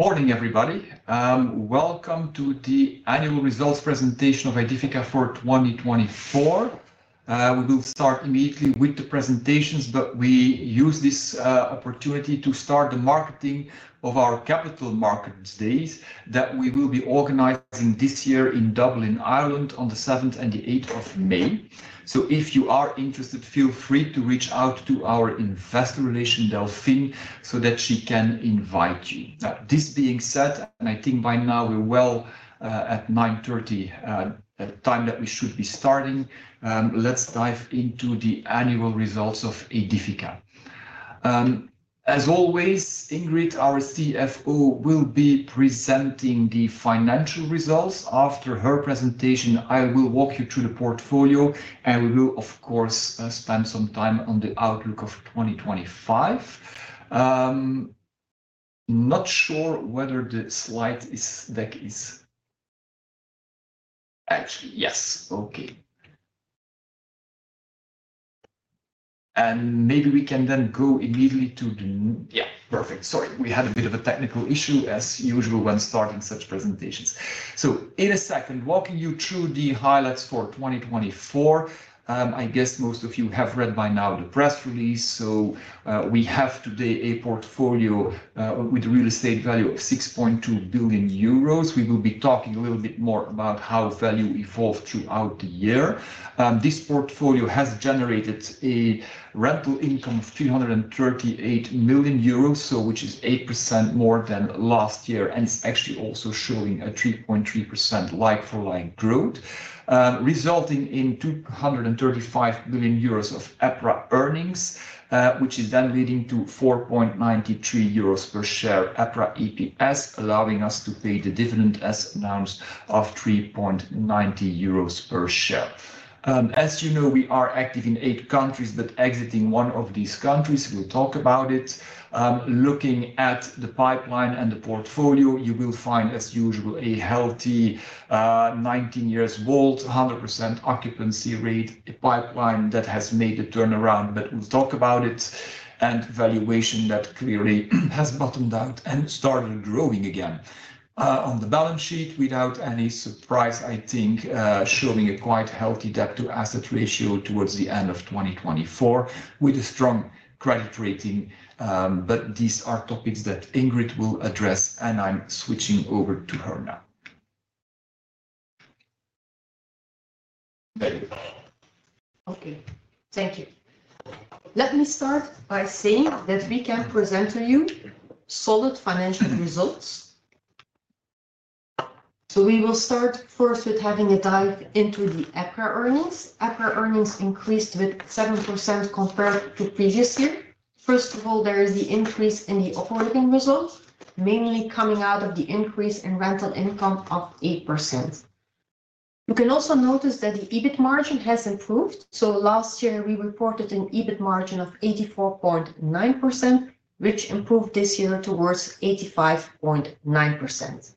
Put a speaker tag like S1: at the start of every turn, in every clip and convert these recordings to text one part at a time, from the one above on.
S1: Morning, everybody. Welcome to the annual results presentation of Aedifica for 2024. We will start immediately with the presentations, but we use this opportunity to start the marketing of our Capital Markets Day that we will be organizing this year in Dublin, Ireland, on the 7th and the 8th of May. So if you are interested, feel free to reach out to our Investor Relations, Delphine, so that she can invite you. Now, this being said, and I think by now we're well at 9:30 A.M., the time that we should be starting. Let's dive into the annual results of Aedifica. As always, Ingrid, our CFO, will be presenting the financial results. After her presentation, I will walk you through the portfolio, and we will, of course, spend some time on the outlook of 2025. Not sure whether the slide is, that is, actually, yes. Okay. And maybe we can then go immediately to the, yeah, perfect. Sorry, we had a bit of a technical issue, as usual, when starting such presentations. In a second, walking you through the highlights for 2024. I guess most of you have read by now the press release. We have today a portfolio, with a real estate value of 6.2 billion euros. We will be talking a little bit more about how value evolved throughout the year. This portfolio has generated a rental income of 338 million euros, so which is 8% more than last year, and it's actually also showing a 3.3% like-for-like growth, resulting in 235 million euros of EPRA earnings, which is then leading to 4.93 euros per share EPRA EPS, allowing us to pay the dividend as announced of 3.90 euros per share. As you know, we are active in eight countries, but exiting one of these countries, we'll talk about it. Looking at the pipeline and the portfolio, you will find, as usual, a healthy, 19 years old, 100% occupancy rate, a pipeline that has made a turnaround, but we'll talk about it, and valuation that clearly has bottomed out and started growing again. On the balance sheet, without any surprise, I think, showing a quite healthy debt-to-asset ratio towards the end of 2024, with a strong credit rating. But these are topics that Ingrid will address, and I'm switching over to her now.
S2: Okay, thank you. Let me start by saying that we can present to you solid financial results. So we will start first with having a dive into the EPRA earnings. EPRA earnings increased with 7% compared to previous year. First of all, there is the increase in the operating result, mainly coming out of the increase in rental income of 8%. You can also notice that the EBITDA margin has improved. So last year, we reported an EBITDA margin of 84.9%, which improved this year towards 85.9%.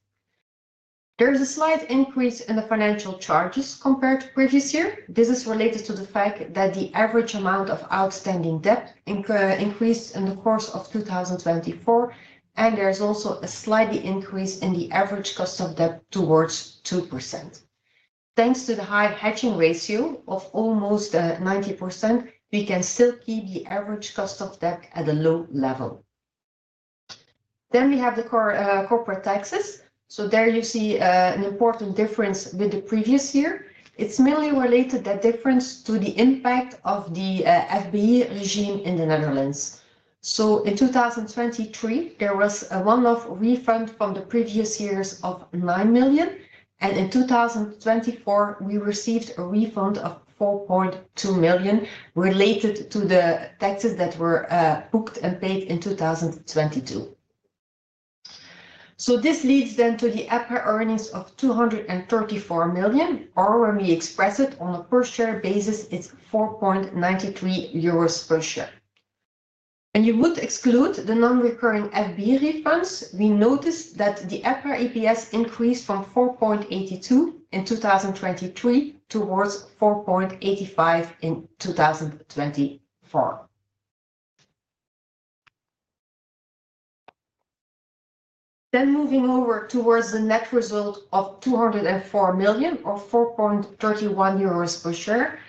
S2: There is a slight increase in the financial charges compared to previous year. This is related to the fact that the average amount of outstanding debt increased in the course of 2024, and there's also a slight increase in the average cost of debt towards 2%. Thanks to the high hedging ratio of almost 90%, we can still keep the average cost of debt at a low level. Then we have the corporate taxes. So there you see an important difference with the previous year. It's mainly related to the difference to the impact of the FBI regime in the Netherlands. So in 2023, there was a one-off refund from the previous years of 9 million, and in 2024, we received a refund of 4.2 million related to the taxes that were booked and paid in 2022. So this leads then to the EPRA earnings of 234 million, or when we express it on a per share basis, it's 4.93 euros per share. And you would exclude the non-recurring FBI refunds. We noticed that the EPRA EPS increased from 4.82 in 2023 towards 4.85 in 2024. Then moving over towards the net result of 204 million, or 4.31 euros per share.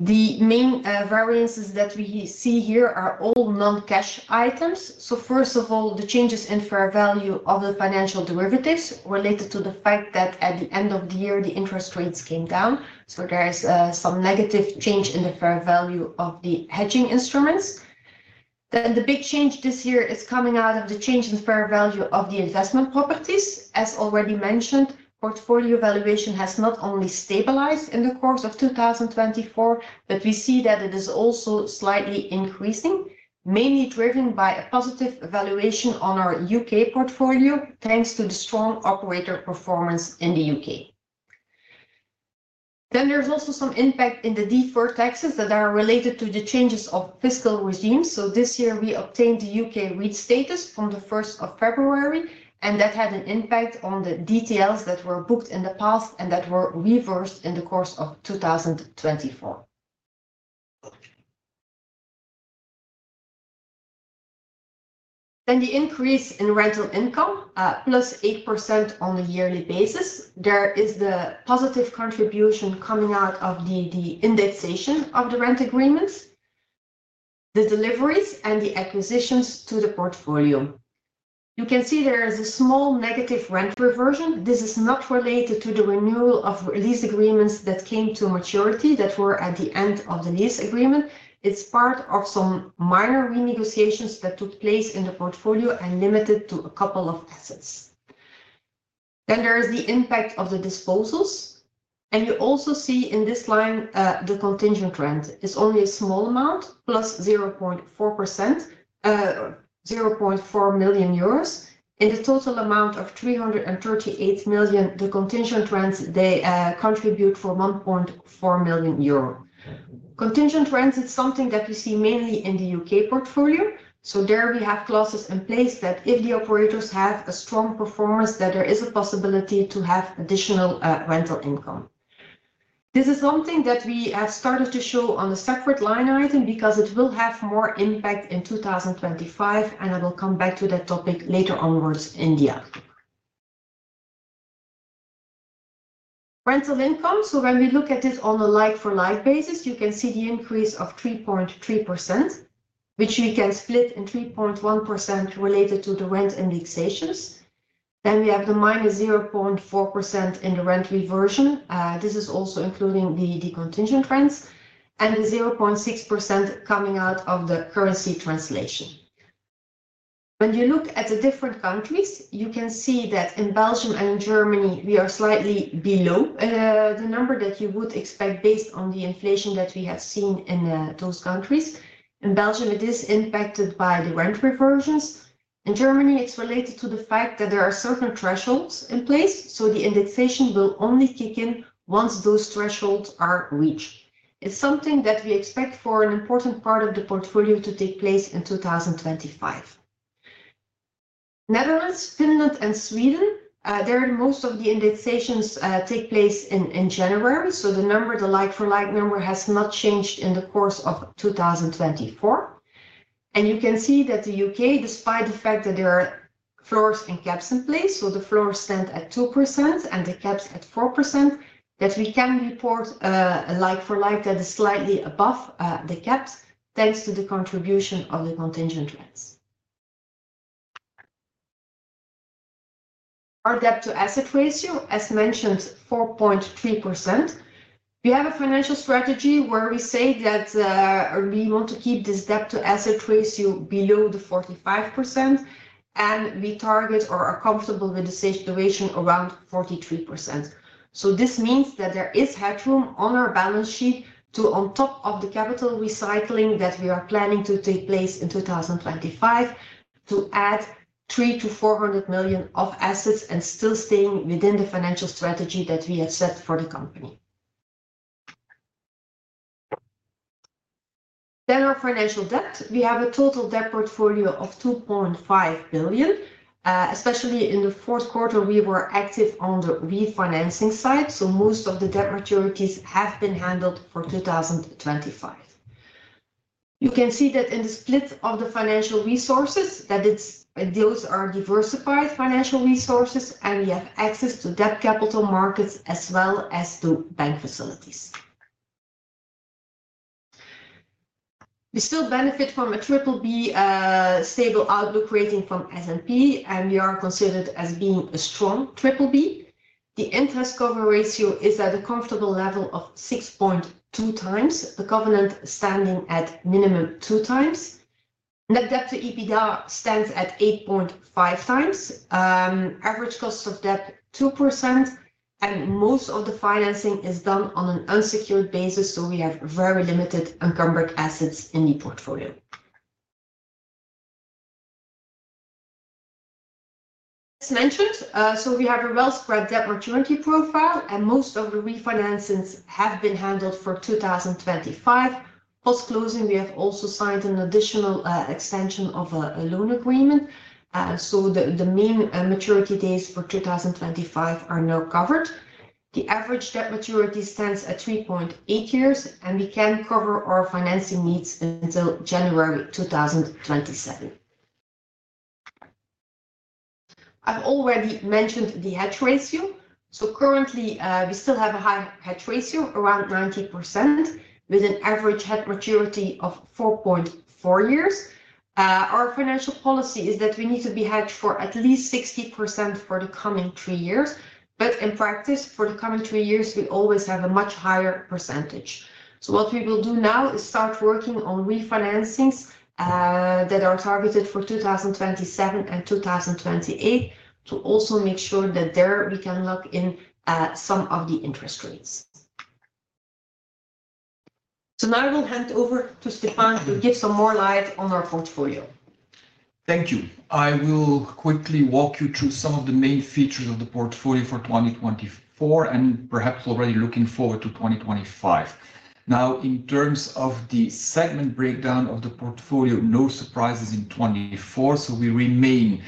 S2: The main variances that we see here are all non-cash items. So first of all, the changes in fair value of the financial derivatives related to the fact that at the end of the year, the interest rates came down. So there is some negative change in the fair value of the hedging instruments. Then the big change this year is coming out of the change in fair value of the investment properties. As already mentioned, portfolio valuation has not only stabilized in the course of 2024, but we see that it is also slightly increasing, mainly driven by a positive valuation on our U.K. portfolio, thanks to the strong operator performance in the U.K. Then there's also some impact in the deferred taxes that are related to the changes of fiscal regime. So this year, we obtained the U.K. REIT status from the 1st of February, and that had an impact on the DTLs that were booked in the past and that were reversed in the course of 2024. Then the increase in rental income, plus 8% on the yearly basis. There is the positive contribution coming out of the indexation of the rent agreements, the deliveries, and the acquisitions to the portfolio. You can see there is a small negative rent reversion. This is not related to the renewal of lease agreements that came to maturity that were at the end of the lease agreement. It's part of some minor renegotiations that took place in the portfolio and limited to a couple of assets. Then there is the impact of the disposals. And you also see in this line, the contingent rent is only a small amount, plus 0.4%, 0.4 million euros in the total amount of 338 million. The contingent rents, they, contribute for 1.4 million euro. Contingent rents, it's something that you see mainly in the U.K. portfolio. So there we have clauses in place that if the operators have a strong performance, that there is a possibility to have additional, rental income. This is something that we have started to show on a separate line item because it will have more impact in 2025, and I will come back to that topic later onwards in the end. Rental income. So when we look at this on a like-for-like basis, you can see the increase of 3.3%, which we can split in 3.1% related to the rent indexations. Then we have the minus 0.4% in the rent reversion. This is also including the contingent rents and the 0.6% coming out of the currency translation. When you look at the different countries, you can see that in Belgium and in Germany, we are slightly below the number that you would expect based on the inflation that we have seen in those countries. In Belgium, it is impacted by the rent reversions. In Germany, it's related to the fact that there are certain thresholds in place. So the indexation will only kick in once those thresholds are reached. It's something that we expect for an important part of the portfolio to take place in 2025. Netherlands, Finland, and Sweden, there most of the indexations take place in January. So the number, the like-for-like number, has not changed in the course of 2024. You can see that the U.K., despite the fact that there are floors and caps in place, so the floors stand at 2% and the caps at 4%, that we can report a like-for-like that is slightly above the caps thanks to the contribution of the contingent rents. Our debt-to-asset ratio, as mentioned, 4.3%. We have a financial strategy where we say that we want to keep this debt-to-asset ratio below 45%, and we target or are comfortable with the situation around 43%. This means that there is headroom on our balance sheet to, on top of the capital recycling that we are planning to take place in 2025, add 300 million-400 million of assets and still stay within the financial strategy that we have set for the company. Then our financial debt, we have a total debt portfolio of 2.5 billion, especially in the fourth quarter, we were active on the refinancing side. So most of the debt maturities have been handled for 2025. You can see that in the split of the financial resources, that those are diversified financial resources, and we have access to debt capital markets as well as to bank facilities. We still benefit from a BBB, stable outlook rating from S&P, and we are considered as being a strong BBB. The interest cover ratio is at a comfortable level of 6.2x, the covenant standing at minimum 2x. Net debt to EBITDA stands at 8.5x, average cost of debt 2%, and most of the financing is done on an unsecured basis. So we have very limited encumbered assets in the portfolio. As mentioned, we have a well-spread debt maturity profile, and most of the refinancings have been handled for 2025. Post-closing, we have also signed an additional extension of a loan agreement, so the main maturity days for 2025 are now covered. The average debt maturity stands at 3.8 years, and we can cover our financing needs until January 2027. I've already mentioned the hedge ratio. Currently, we still have a high hedge ratio, around 90%, with an average hedge maturity of 4.4 years. Our financial policy is that we need to be hedged for at least 60% for the coming three years. But in practice, for the coming three years, we always have a much higher percentage. What we will do now is start working on refinancings that are targeted for 2027 and 2028 to also make sure that there we can lock in some of the interest rates. Now I will hand over to Stefaan to shed some more light on our portfolio.
S1: Thank you. I will quickly walk you through some of the main features of the portfolio for 2024 and perhaps already looking forward to 2025. Now, in terms of the segment breakdown of the portfolio, no surprises in 2024. So we remain,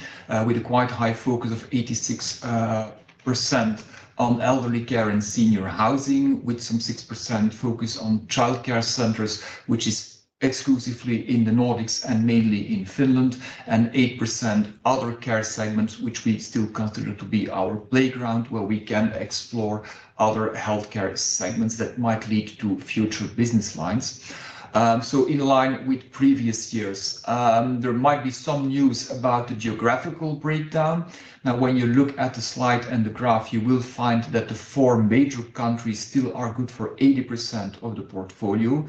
S1: with a quite high focus of 86% on elderly care and senior housing, with some 6% focus on childcare centers, which is exclusively in the Nordics and mainly in Finland, and 8% other care segments, which we still consider to be our playground, where we can explore other healthcare segments that might lead to future business lines. So in line with previous years, there might be some news about the geographical breakdown. Now, when you look at the slide and the graph, you will find that the four major countries still are good for 80% of the portfolio.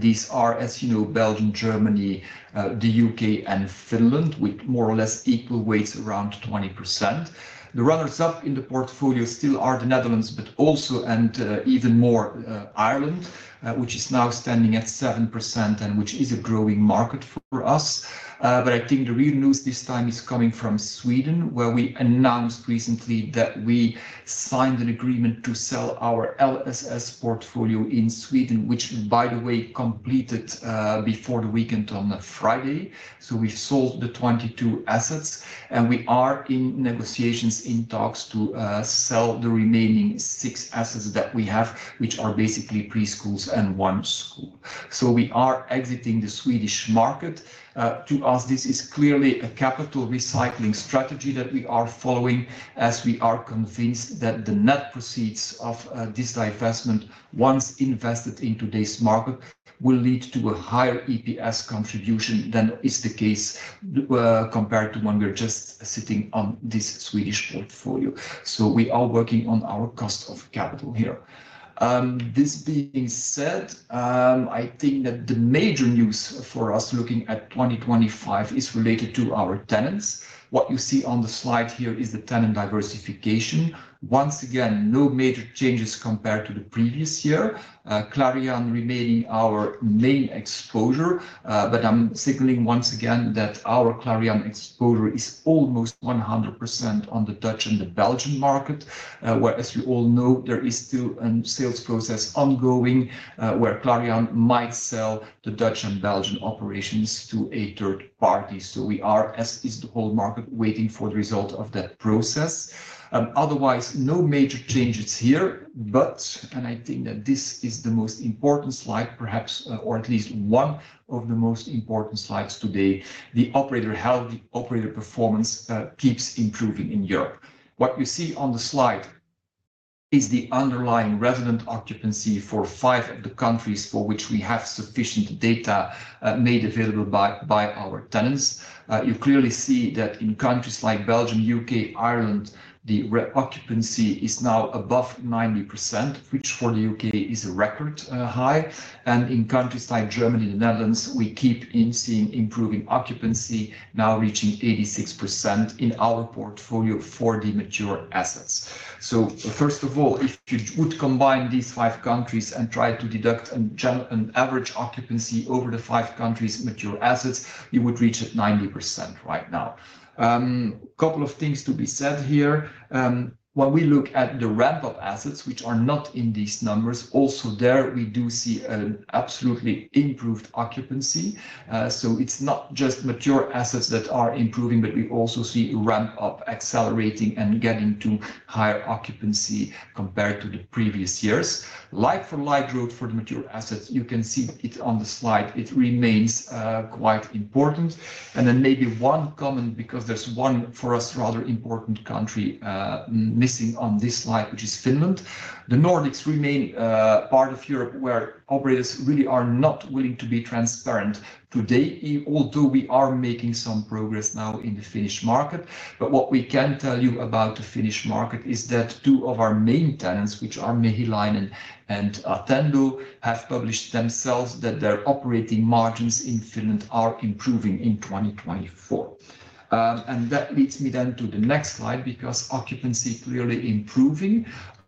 S1: These are, as you know, Belgium, Germany, the U.K., and Finland, with more or less equal weights, around 20%. The runners-up in the portfolio still are the Netherlands, but also, and, even more, Ireland, which is now standing at 7% and which is a growing market for us. But I think the real news this time is coming from Sweden, where we announced recently that we signed an agreement to sell our LSS portfolio in Sweden, which, by the way, completed before the weekend on Friday. So we've sold the 22 assets, and we are in negotiations, in talks to sell the remaining six assets that we have, which are basically preschools and one school. So we are exiting the Swedish market. To us, this is clearly a capital recycling strategy that we are following, as we are convinced that the net proceeds of this divestment, once invested in today's market, will lead to a higher EPS contribution than is the case, compared to when we're just sitting on this Swedish portfolio. So we are working on our cost of capital here. This being said, I think that the major news for us looking at 2025 is related to our tenants. What you see on the slide here is the tenant diversification. Once again, no major changes compared to the previous year. Clariane remaining our main exposure, but I'm signaling once again that our Clariane exposure is almost 100% on the Dutch and the Belgian market, whereas you all know there is still a sales process ongoing, where Clariane might sell the Dutch and Belgian operations to a third party. We are, as is the whole market, waiting for the result of that process. Otherwise, no major changes here, but, and I think that this is the most important slide, perhaps, or at least one of the most important slides today. The operator health, the operator performance, keeps improving in Europe. What you see on the slide is the underlying resident occupancy for five of the countries for which we have sufficient data, made available by our tenants. You clearly see that in countries like Belgium, U.K., Ireland, the occupancy is now above 90%, which for the U.K. is a record high. In countries like Germany and the Netherlands, we keep seeing improving occupancy, now reaching 86% in our portfolio for the mature assets. So first of all, if you would combine these five countries and try to deduct an average occupancy over the five countries' mature assets, you would reach at 90% right now. A couple of things to be said here. When we look at the ramp-up assets, which are not in these numbers, also there we do see an absolutely improved occupancy. So it's not just mature assets that are improving, but we also see ramp-up accelerating and getting to higher occupancy compared to the previous years. Like-for-like growth for the mature assets, you can see it on the slide. It remains quite important. And then maybe one comment, because there's one for us rather important country missing on this slide, which is Finland. The Nordics remain part of Europe where operators really are not willing to be transparent today, although we are making some progress now in the Finnish market. But what we can tell you about the Finnish market is that two of our main tenants, which are Mehiläinen and Attendo, have published themselves that their operating margins in Finland are improving in 2024, and that leads me then to the next slide, because occupancy is clearly improving,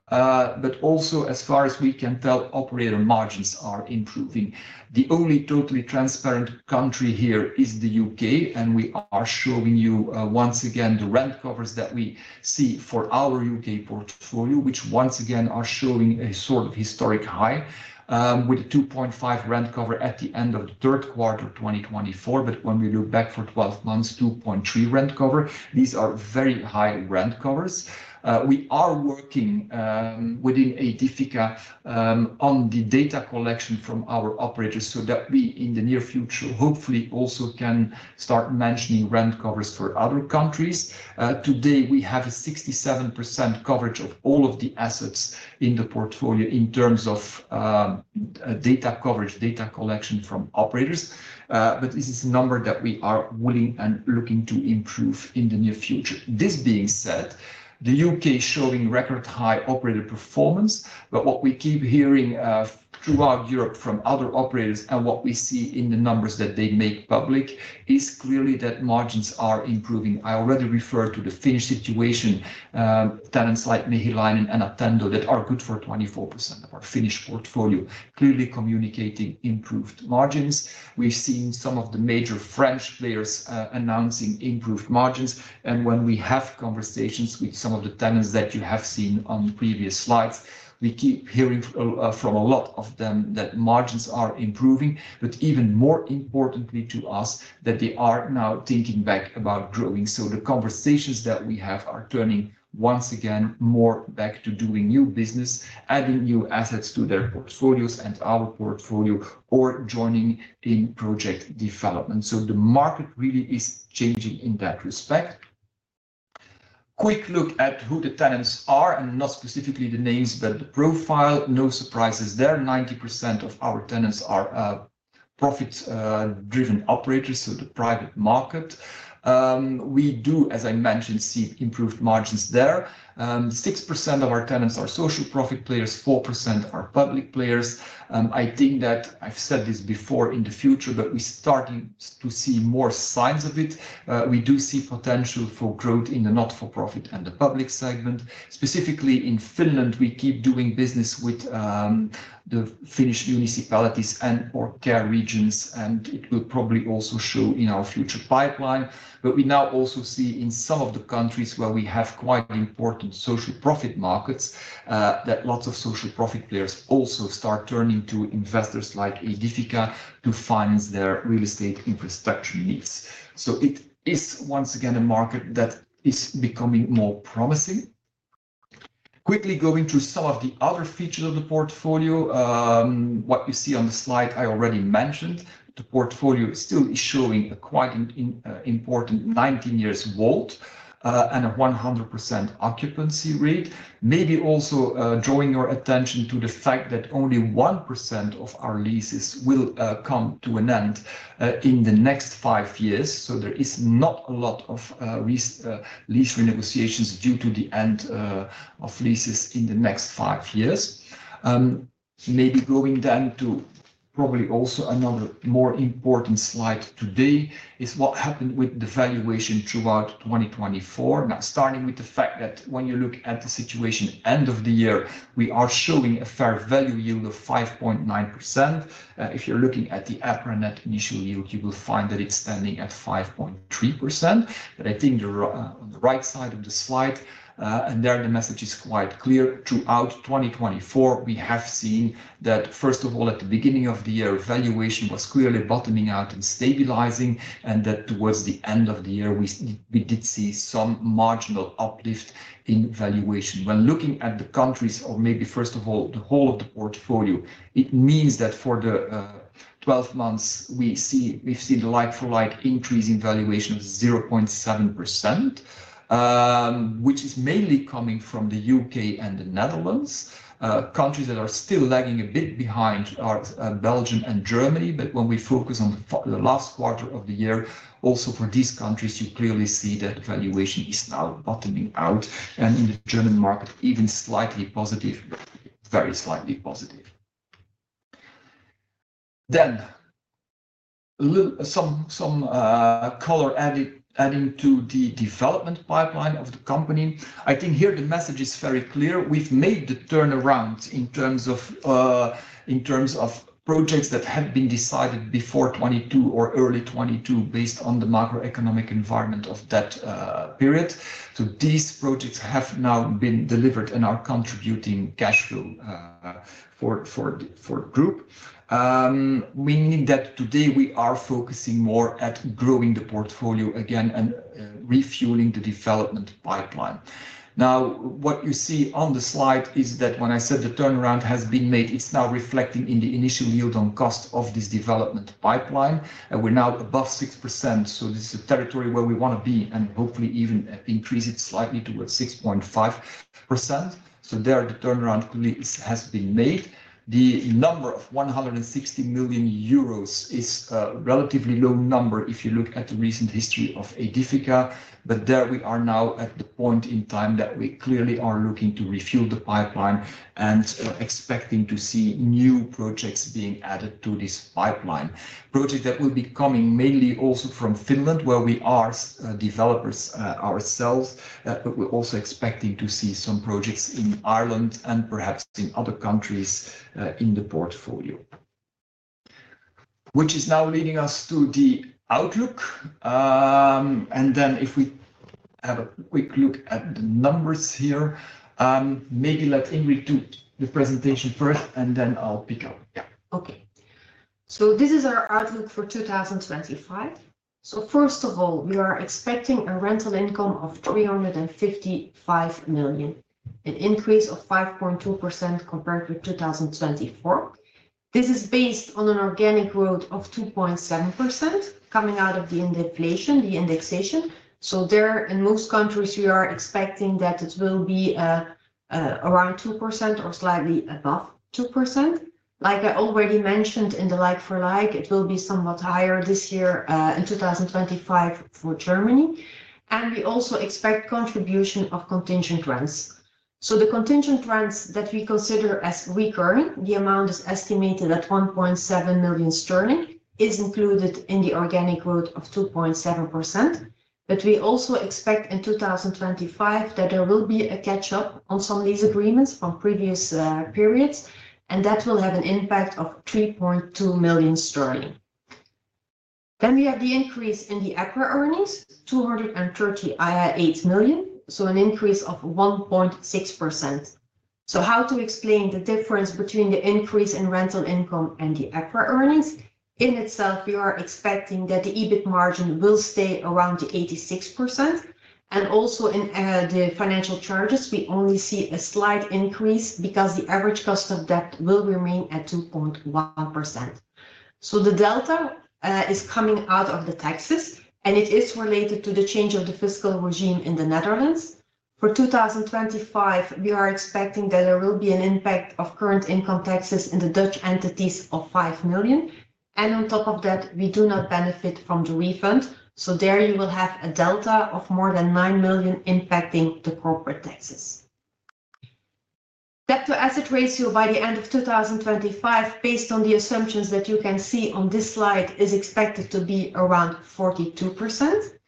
S1: but also, as far as we can tell, operator margins are improving. The only totally transparent country here is the U.K., and we are showing you, once again, the rent covers that we see for our U.K. portfolio, which once again are showing a sort of historic high, with a 2.5 rent cover at the end of the third quarter 2024. But when we look back for 12 months, 2.3 rent cover, these are very high rent covers. We are working within Aedifica on the data collection from our operators so that we in the near future, hopefully, also can start mentioning rent covers for other countries. Today we have 67% coverage of all of the assets in the portfolio in terms of data coverage, data collection from operators, but this is a number that we are willing and looking to improve in the near future. This being said, the U.K. is showing record high operator performance, but what we keep hearing throughout Europe from other operators and what we see in the numbers that they make public is clearly that margins are improving. I already referred to the Finnish situation, tenants like Mehiläinen and Attendo that are good for 24% of our Finnish portfolio, clearly communicating improved margins. We've seen some of the major French players announcing improved margins. When we have conversations with some of the tenants that you have seen on previous slides, we keep hearing from a lot of them that margins are improving, but even more importantly to us, that they are now thinking back about growing. The conversations that we have are turning once again more back to doing new business, adding new assets to their portfolios and our portfolio, or joining in project development. The market really is changing in that respect. Quick look at who the tenants are, and not specifically the names, but the profile. No surprises there. 90% of our tenants are profit-driven operators, so the private market. We do, as I mentioned, see improved margins there. 6% of our tenants are social profit players, 4% are public players. I think that I've said this before in the future, but we're starting to see more signs of it. We do see potential for growth in the not-for-profit and the public segment. Specifically in Finland, we keep doing business with the Finnish municipalities and/or care regions, and it will probably also show in our future pipeline. But we now also see in some of the countries where we have quite important social profit markets, that lots of social profit players also start turning to investors like Aedifica to finance their real estate infrastructure needs, so it is once again a market that is becoming more promising. Quickly going through some of the other features of the portfolio, what you see on the slide I already mentioned, the portfolio still is showing a quite an important 19 years WAULT, and a 100% occupancy rate. Maybe also drawing your attention to the fact that only 1% of our leases will come to an end in the next five years. So there is not a lot of lease renegotiations due to the end of leases in the next five years. Maybe going then to probably also another more important slide today is what happened with the valuation throughout 2024. Now, starting with the fact that when you look at the situation end of the year, we are showing a fair value yield of 5.9%. If you're looking at the Aedifica net initial yield, you will find that it's standing at 5.3%. But I think the on the right side of the slide, and there the message is quite clear. Throughout 2024, we have seen that, first of all, at the beginning of the year, valuation was clearly bottoming out and stabilizing, and that towards the end of the year, we did see some marginal uplift in valuation. When looking at the countries, or maybe first of all, the whole of the portfolio, it means that for the 12 months, we've seen the like-for-like increase in valuation of 0.7%, which is mainly coming from the U.K. and the Netherlands. Countries that are still lagging a bit behind are Belgium and Germany. But when we focus on the last quarter of the year, also for these countries, you clearly see that valuation is now bottoming out, and in the German market, even slightly positive, very slightly positive. A little color adding to the development pipeline of the company. I think here the message is very clear. We've made the turnaround in terms of, in terms of projects that have been decided before 2022 or early 2022, based on the macroeconomic environment of that period, so these projects have now been delivered and are contributing cash flow for the group, meaning that today we are focusing more at growing the portfolio again and refueling the development pipeline. Now, what you see on the slide is that when I said the turnaround has been made, it's now reflecting in the initial yield on cost of this development pipeline, and we're now above 6%, so this is a territory where we want to be and hopefully even increase it slightly towards 6.5%, so there the turnaround clearly has been made. The number of 160 million euros is a relatively low number if you look at the recent history of Aedifica. But there we are now at the point in time that we clearly are looking to refuel the pipeline and expecting to see new projects being added to this pipeline. Project that will be coming mainly also from Finland, where we are developers ourselves, but we're also expecting to see some projects in Ireland and perhaps in other countries, in the portfolio, which is now leading us to the outlook, and then if we have a quick look at the numbers here, maybe let Ingrid do the presentation first, and then I'll pick up.
S2: Yeah. Okay. So this is our outlook for 2025. So first of all, we are expecting a rental income of 355 million, an increase of 5.2% compared with 2024. This is based on an organic growth of 2.7% coming out of the indexation. So, in most countries, we are expecting that it will be around 2% or slightly above 2%. Like I already mentioned in the like-for-like, it will be somewhat higher this year, in 2025 for Germany. And we also expect contribution of contingent rents. So the contingent rents that we consider as recurring, the amount is estimated at 1.7 million sterling, is included in the organic growth of 2.7%. But we also expect in 2025 that there will be a catch-up on some of these agreements from previous periods, and that will have an impact of 3.2 million sterling. Then we have the increase in the EPRA earnings, 238 million, so an increase of 1.6%. So how to explain the difference between the increase in rental income and the EPRA earnings? In itself, we are expecting that the EBITDA margin will stay around the 86%, and also in the financial charges, we only see a slight increase because the average cost of debt will remain at 2.1%, so the delta is coming out of the taxes, and it is related to the change of the fiscal regime in the Netherlands. For 2025, we are expecting that there will be an impact of current income taxes in the Dutch entities of 5 million. And on top of that, we do not benefit from the refund, so there you will have a delta of more than 9 million impacting the corporate taxes. Debt-to-asset ratio by the end of 2025, based on the assumptions that you can see on this slide, is expected to be around 42%,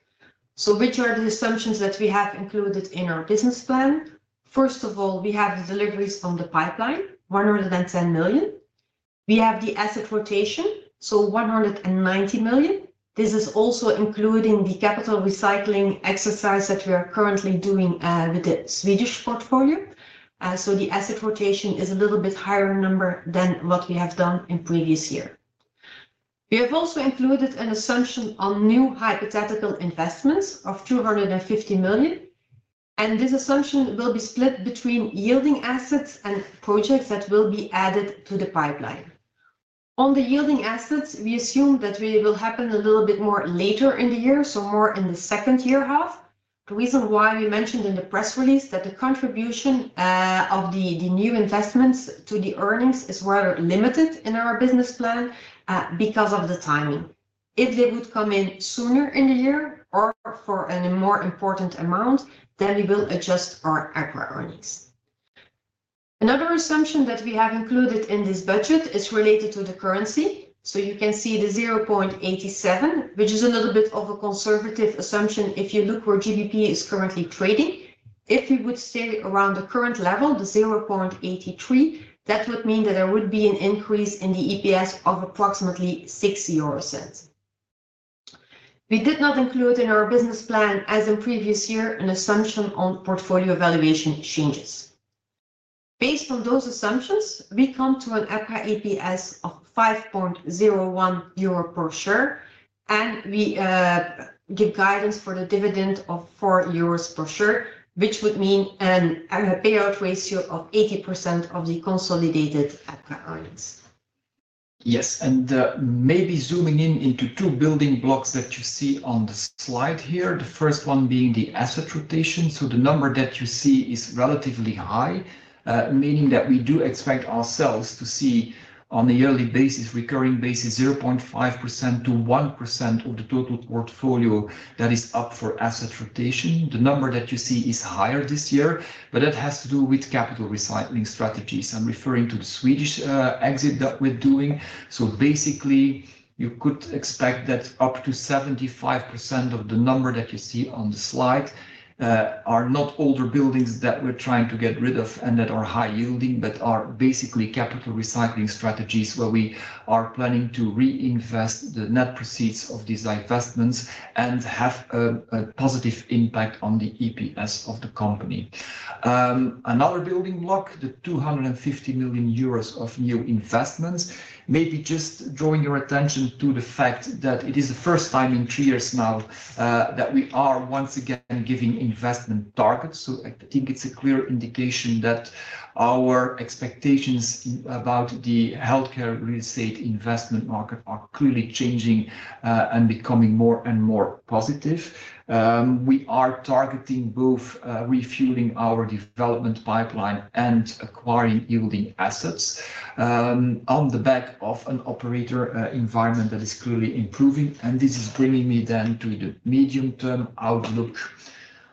S2: so which are the assumptions that we have included in our business plan? First of all, we have the deliveries from the pipeline, 110 million. We have the asset rotation, so 190 million. This is also including the capital recycling exercise that we are currently doing with the Swedish portfolio. So the asset rotation is a little bit higher number than what we have done in previous year. We have also included an assumption on new hypothetical investments of 250 million, and this assumption will be split between yielding assets and projects that will be added to the pipeline. On the yielding assets, we assume that they will happen a little bit more later in the year, so more in the second year half. The reason why we mentioned in the press release that the contribution of the new investments to the earnings is rather limited in our business plan is because of the timing. If they would come in sooner in the year or for a more important amount, then we will adjust our EPRA earnings. Another assumption that we have included in this budget is related to the currency. So you can see the 0.87, which is a little bit of a conservative assumption if you look where GBP is currently trading. If we would stay around the current level, the 0.83, that would mean that there would be an increase in the EPS of approximately 0.60. We did not include in our business plan, as in previous year, an assumption on portfolio valuation changes. Based on those assumptions, we come to an EPRA EPS of 5.01 euro per share, and we give guidance for the dividend of 4 euros per share, which would mean a payout ratio of 80% of the consolidated EPRA earnings.
S1: Yes. Maybe zooming in into two building blocks that you see on the slide here, the first one being the asset rotation. The number that you see is relatively high, meaning that we do expect ourselves to see on a yearly basis, recurring basis, 0.5%-1% of the total portfolio that is up for asset rotation. The number that you see is higher this year, but that has to do with capital recycling strategies. I'm referring to the Swedish exit that we're doing. Basically, you could expect that up to 75% of the number that you see on the slide are not older buildings that we're trying to get rid of and that are high yielding, but are basically capital recycling strategies where we are planning to reinvest the net proceeds of these investments and have a positive impact on the EPS of the company. Another building block, the 250 million euros of new investments, maybe just drawing your attention to the fact that it is the first time in two years now that we are once again giving investment targets. So I think it's a clear indication that our expectations about the healthcare real estate investment market are clearly changing, and becoming more and more positive. We are targeting both refueling our development pipeline and acquiring yielding assets, on the back of an operator environment that is clearly improving, and this is bringing me then to the medium-term outlook.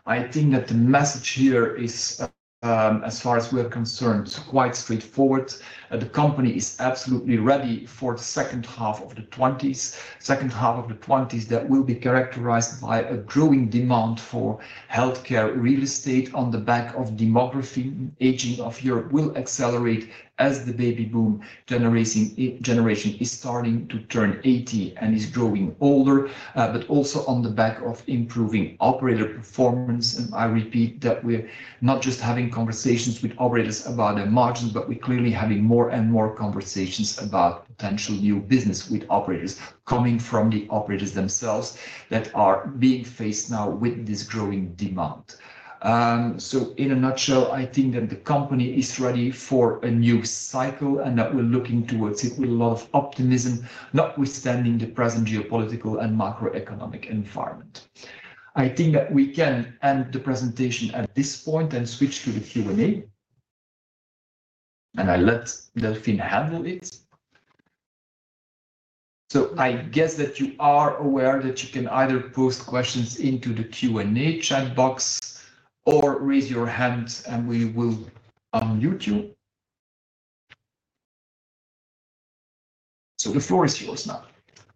S1: I think that the message here is, as far as we're concerned, quite straightforward. The company is absolutely ready for the second half of the 2025, second half of the 2025 that will be characterized by a growing demand for healthcare real estate on the back of demography. Aging of Europe will accelerate as the baby boom generation is starting to turn 80 and is growing older, but also on the back of improving operator performance, and I repeat that we're not just having conversations with operators about their margins, but we're clearly having more and more conversations about potential new business with operators coming from the operators themselves that are being faced now with this growing demand, so in a nutshell, I think that the company is ready for a new cycle and that we're looking towards it with a lot of optimism, notwithstanding the present geopolitical and macroeconomic environment. I think that we can end the presentation at this point and switch to the Q&A, and I let Delphine handle it. So I guess that you are aware that you can either post questions into the Q&A chat box or raise your hand and we will unmute you. So the floor is yours now.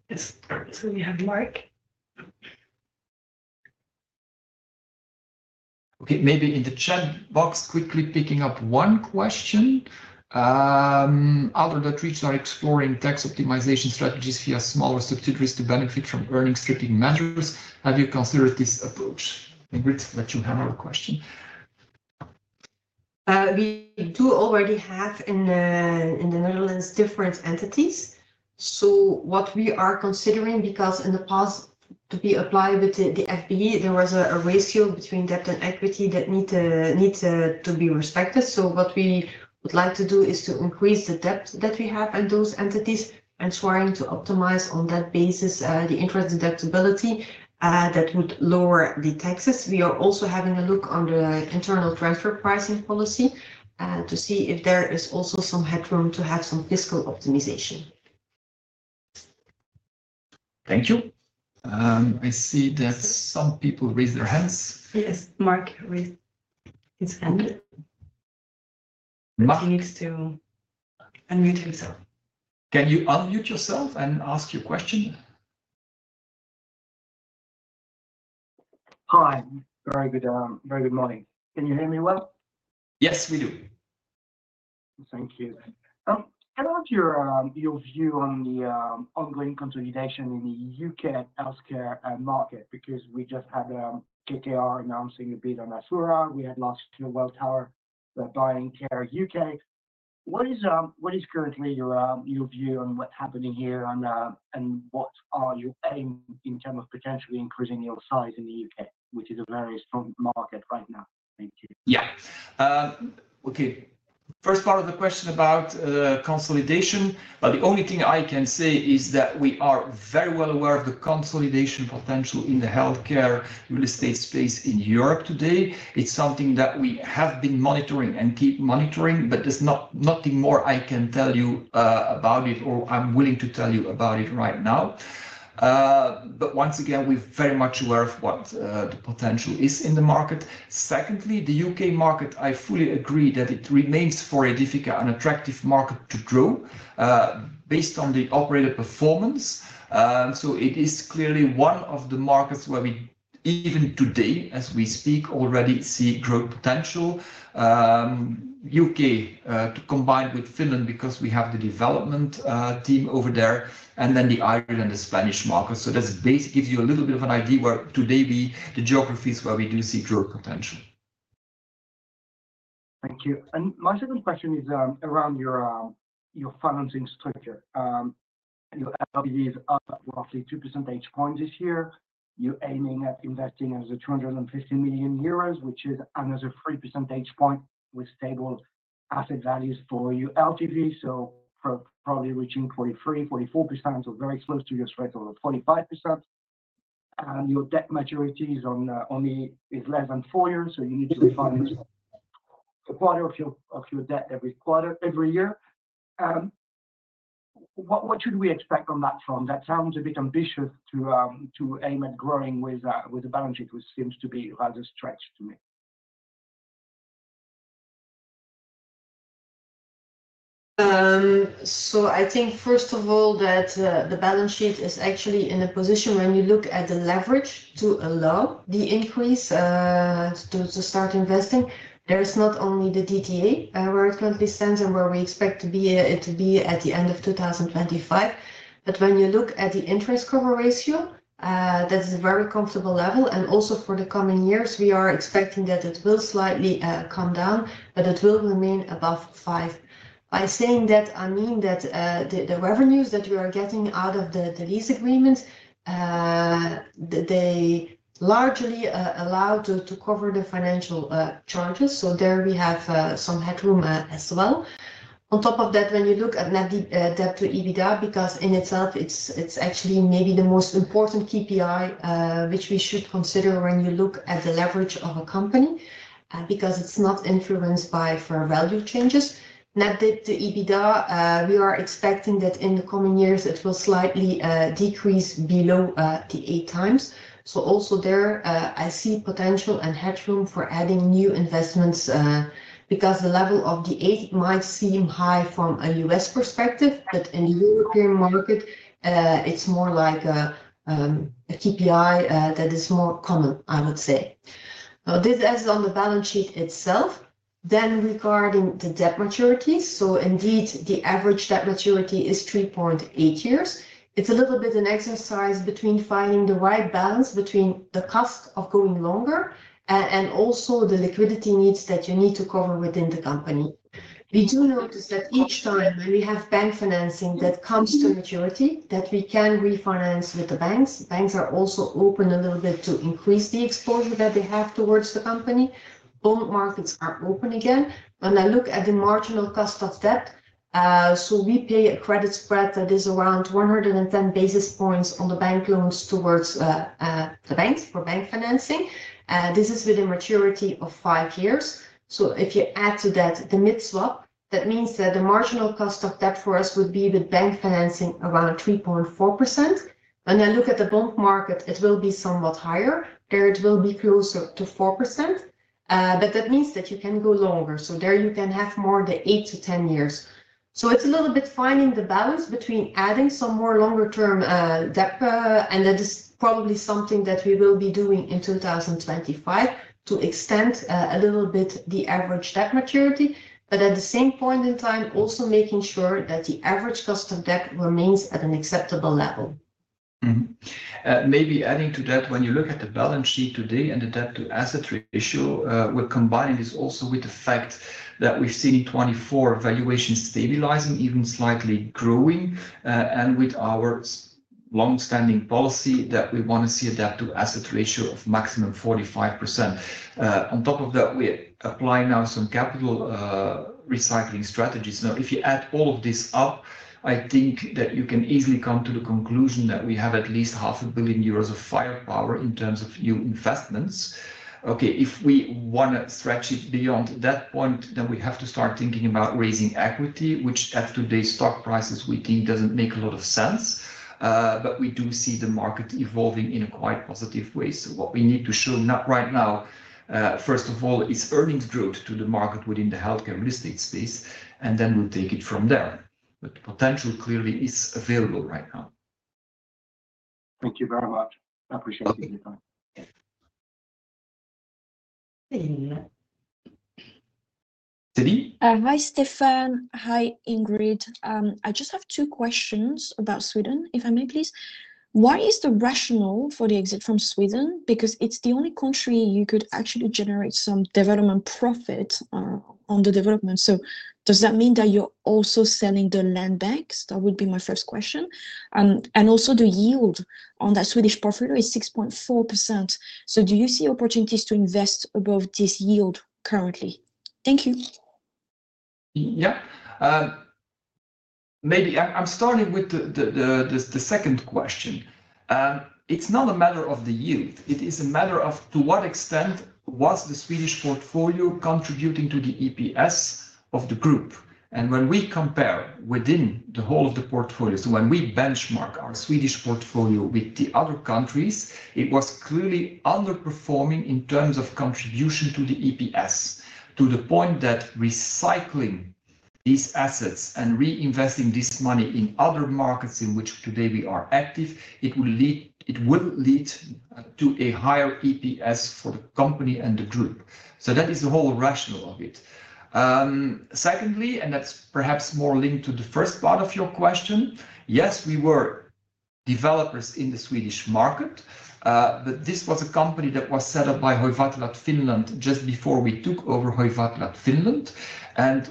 S3: Yes. So we have Mark.
S1: Okay. Maybe in the chat box, quickly picking up one question. Other REITs are exploring tax optimization strategies via smaller subsidiaries to benefit from earnings stripping measures. Have you considered this approach? Ingrid, I'll let you handle the question.
S2: We do already have in the Netherlands different entities. So what we are considering, because in the past, to be applied with the FBI, there was a ratio between debt and equity that need to be respected. So what we would like to do is to increase the debt that we have at those entities and trying to optimize on that basis, the interest deductibility, that would lower the taxes. We are also having a look on the internal transfer pricing policy, to see if there is also some headroom to have some fiscal optimization.
S1: Thank you. I see that some people raised their hands.
S3: Yes. Mark raised his hand. He needs to unmute himself.
S1: Can you unmute yourself and ask your question?
S4: Hi. Very good. Very good morning. Can you hear me well?
S1: Yes, we do.
S4: Thank you. How about your, your view on the, ongoing consolidation in the U.K. and healthcare market? Because we just had, KKR announcing a bit on Assura. We had last year Welltower buying Care UK. What is, what is currently your, your view on what's happening here and, and what are your aims in terms of potentially increasing your size in the U.K., which is a very strong market right now?
S1: Thank you. Yeah. Okay. First part of the question about, consolidation. But the only thing I can say is that we are very well aware of the consolidation potential in the healthcare real estate space in Europe today. It's something that we have been monitoring and keep monitoring, but there's not nothing more I can tell you about it or I'm willing to tell you about it right now. But once again, we're very much aware of what the potential is in the market. Secondly, the U.K. market, I fully agree that it remains for Aedifica an attractive market to grow, based on the operator performance. So it is clearly one of the markets where we even today, as we speak, already see growth potential. U.K., combined with Finland because we have the development team over there, and then the Irish and the Spanish market. So that's basically gives you a little bit of an idea where today we the geographies where we do see growth potential.
S4: Thank you. And my second question is around your financing structure. Your LTV is up roughly 2 percentage points this year. You're aiming at investing as a 250 million euros, which is another 3 percentage point with stable asset values for your LTV. So probably reaching 43%-44% or very close to your threshold of 45%. And your debt maturity is only less than four years, so you need to refinance a quarter of your debt every year. What should we expect from that front? That sounds a bit ambitious to aim at growing with a balance sheet which seems to be rather stretched to me.
S2: So I think first of all that the balance sheet is actually in a position when you look at the leverage to allow the increase to start investing. There is not only the DTA where it currently stands and where we expect it to be at the end of 2025, but when you look at the interest cover ratio, that is a very comfortable level. And also for the coming years, we are expecting that it will slightly come down, but it will remain above five. By saying that, I mean that the revenues that we are getting out of the lease agreement, they largely allow to cover the financial charges. There we have some headroom as well. On top of that, when you look at net debt to EBITDA, because in itself, it's actually maybe the most important KPI, which we should consider when you look at the leverage of a company, because it's not influenced by fair value changes. Net debt to EBITDA, we are expecting that in the coming years, it will slightly decrease below the eight times. So also there, I see potential and headroom for adding new investments, because the level of the eight might seem high from a U.S. perspective, but in the European market, it's more like a KPI that is more common, I would say. So this as on the balance sheet itself. Then regarding the debt maturities, so indeed the average debt maturity is 3.8 years. It's a little bit an exercise between finding the right balance between the cost of going longer and also the liquidity needs that you need to cover within the company. We do notice that each time when we have bank financing that comes to maturity, that we can refinance with the banks. Banks are also open a little bit to increase the exposure that they have towards the company. Bond markets are open again. When I look at the marginal cost of debt, so we pay a credit spread that is around 110 basis points on the bank loans towards the banks for bank financing. This is with a maturity of five years. So if you add to that the mid-swap, that means that the marginal cost of debt for us would be with bank financing around 3.4%. When I look at the bond market, it will be somewhat higher. There it will be closer to 4%. But that means that you can go longer. So there you can have more than eight-to-ten years. So it's a little bit finding the balance between adding some more longer-term debt, and that is probably something that we will be doing in 2025 to extend a little bit the average debt maturity, but at the same point in time, also making sure that the average cost of debt remains at an acceptable level.
S1: Maybe adding to that, when you look at the balance sheet today and the debt-to-asset ratio, we're combining this also with the fact that we've seen in 2024 valuation stabilizing, even slightly growing, and with our long-standing policy that we want to see a debt-to-asset ratio of maximum 45%. On top of that, we apply now some capital recycling strategies. Now, if you add all of this up, I think that you can easily come to the conclusion that we have at least 500 million euros of firepower in terms of new investments. Okay. If we want to stretch it beyond that point, then we have to start thinking about raising equity, which at today's stock prices, we think doesn't make a lot of sense, but we do see the market evolving in a quite positive way, so what we need now right now, first of all, is earnings growth to the market within the healthcare real estate space, and then we'll take it from there, but the potential clearly is available right now.
S4: Thank you very much.
S1: Appreciate it.
S5: Hi, Stefan. Hi, Ingrid. I just have two questions about Sweden, if I may, please. Why is the rationale for the exit from Sweden? Because it's the only country you could actually generate some development profit, on the development. So does that mean that you're also selling the land banks? That would be my first question. And also the yield on that Swedish portfolio is 6.4%. So do you see opportunities to invest above this yield currently? Thank you.
S1: Yeah. Maybe I'm starting with the second question. It's not a matter of the yield. It is a matter of to what extent was the Swedish portfolio contributing to the EPS of the group? When we compare within the whole of the portfolio, so when we benchmark our Swedish portfolio with the other countries, it was clearly underperforming in terms of contribution to the EPS, to the point that recycling these assets and reinvesting this money in other markets in which today we are active, it will lead to a higher EPS for the company and the group. That is the whole rationale of it. Secondly, and that's perhaps more linked to the first part of your question, yes, we were developers in the Swedish market, but this was a company that was set up by Hoivatilat Finland just before we took over Hoivatilat Finland.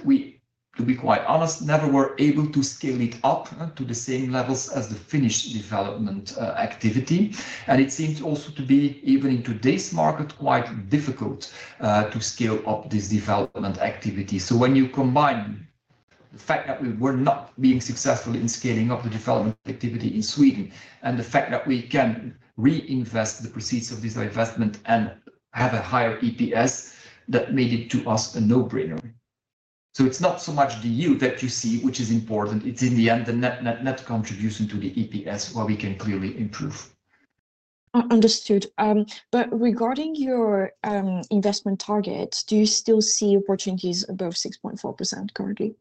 S1: We, to be quite honest, never were able to scale it up to the same levels as the Finnish development activity. It seems also to be even in today's market quite difficult to scale up this development activity. So when you combine the fact that we were not being successful in scaling up the development activity in Sweden and the fact that we can reinvest the proceeds of this investment and have a higher EPS, that made it to us a no-brainer. So it's not so much the yield that you see, which is important. It's in the end, the net-net contribution to the EPS where we can clearly improve.
S5: Understood. But regarding your investment target, do you still see opportunities above 6.4% currently?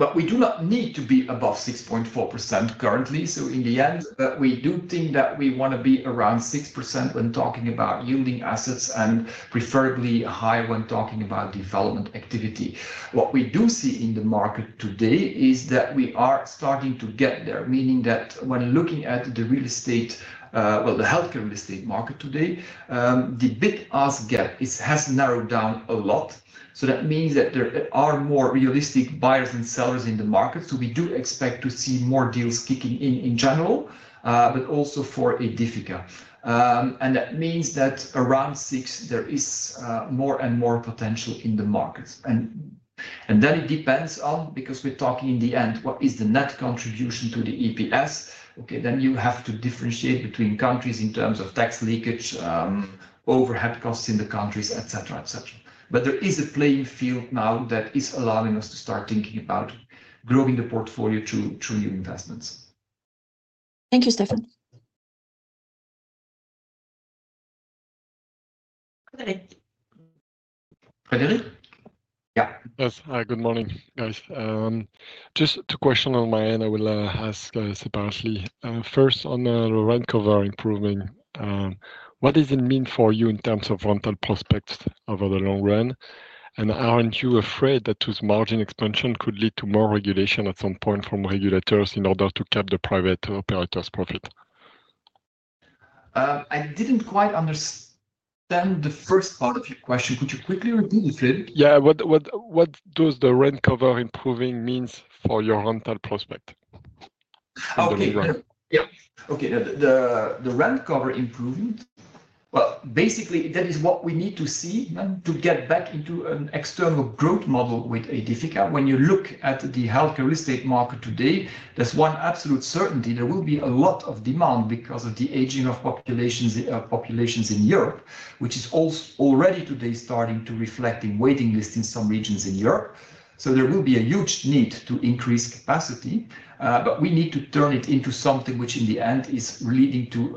S1: But we do not need to be above 6.4% currently. So in the end, but we do think that we want to be around 6% when talking about yielding assets and preferably high when talking about development activity. What we do see in the market today is that we are starting to get there, meaning that when looking at the real estate, well, the healthcare real estate market today, the bid-ask gap has narrowed down a lot. So that means that there are more realistic buyers and sellers in the market. So we do expect to see more deals kicking in in general, but also for Aedifica, and that means that around six, there is more and more potential in the markets. And then it depends on, because we're talking in the end, what is the net contribution to the EPS? Okay. Then you have to differentiate between countries in terms of tax leakage, overhead costs in the countries, et cetera, et cetera. But there is a playing field now that is allowing us to start thinking about growing the portfolio through new investments.
S5: Thank you, Stefaan.
S6: Yes. Hi. Good morning, guys. Just two questions on my end. I will ask separately. First, on the rent cover improving, what does it mean for you in terms of rental prospects over the long run? And aren't you afraid that this margin expansion could lead to more regulation at some point from regulators in order to cap the private operators' profit?
S1: I didn't quite understand the first part of your question. Could you quickly repeat it?
S6: Yeah. What does the rent cover improving mean for your rental prospect?
S1: Okay. Yeah. Okay. The rent cover improvement, well, basically, that is what we need to see to get back into an external growth model with Aedifica. When you look at the healthcare real estate market today, there's one absolute certainty. There will be a lot of demand because of the aging of populations in Europe, which is also already today starting to reflect in waiting lists in some regions in Europe. So there will be a huge need to increase capacity, but we need to turn it into something which in the end is leading to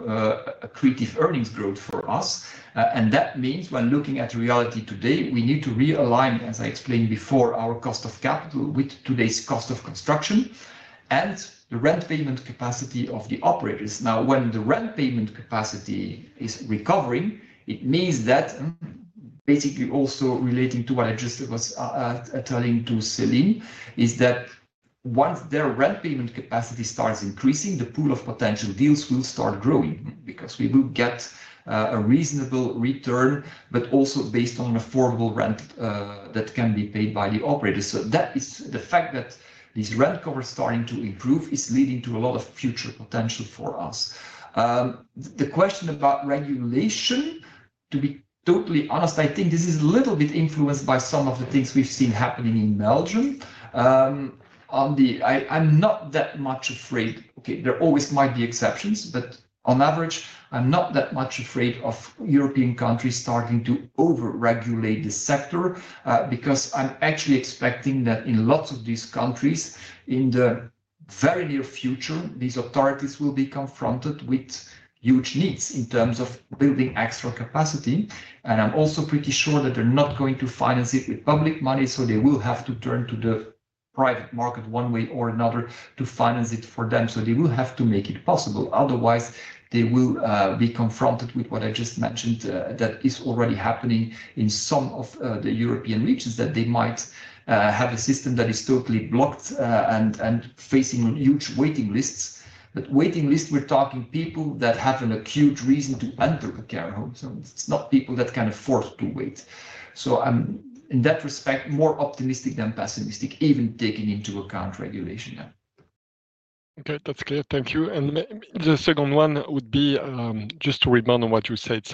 S1: a creative earnings growth for us, and that means when looking at reality today, we need to realign, as I explained before, our cost of capital with today's cost of construction and the rent payment capacity of the operators. Now, when the rent payment capacity is recovering, it means that, basically also relating to what I just was, telling to Celine, is that once their rent payment capacity starts increasing, the pool of potential deals will start growing because we will get, a reasonable return, but also based on an affordable rent, that can be paid by the operator. So that is the fact that these rent covers starting to improve is leading to a lot of future potential for us. The question about regulation, to be totally honest, I think this is a little bit influenced by some of the things we've seen happening in Belgium. On the, I'm not that much afraid. Okay. There always might be exceptions, but on average, I'm not that much afraid of European countries starting to overregulate the sector, because I'm actually expecting that in lots of these countries, in the very near future, these authorities will be confronted with huge needs in terms of building extra capacity. And I'm also pretty sure that they're not going to finance it with public money. So they will have to turn to the private market one way or another to finance it for them. So they will have to make it possible. Otherwise, they will be confronted with what I just mentioned, that is already happening in some of the European regions that they might have a system that is totally blocked, and facing huge waiting lists. But waiting list, we're talking people that have an acute reason to enter a care home. It's not people that can afford to wait. I'm, in that respect, more optimistic than pessimistic, even taking into account regulation now.
S6: Okay. That's clear. Thank you. The second one would be, just to rebound on what you said.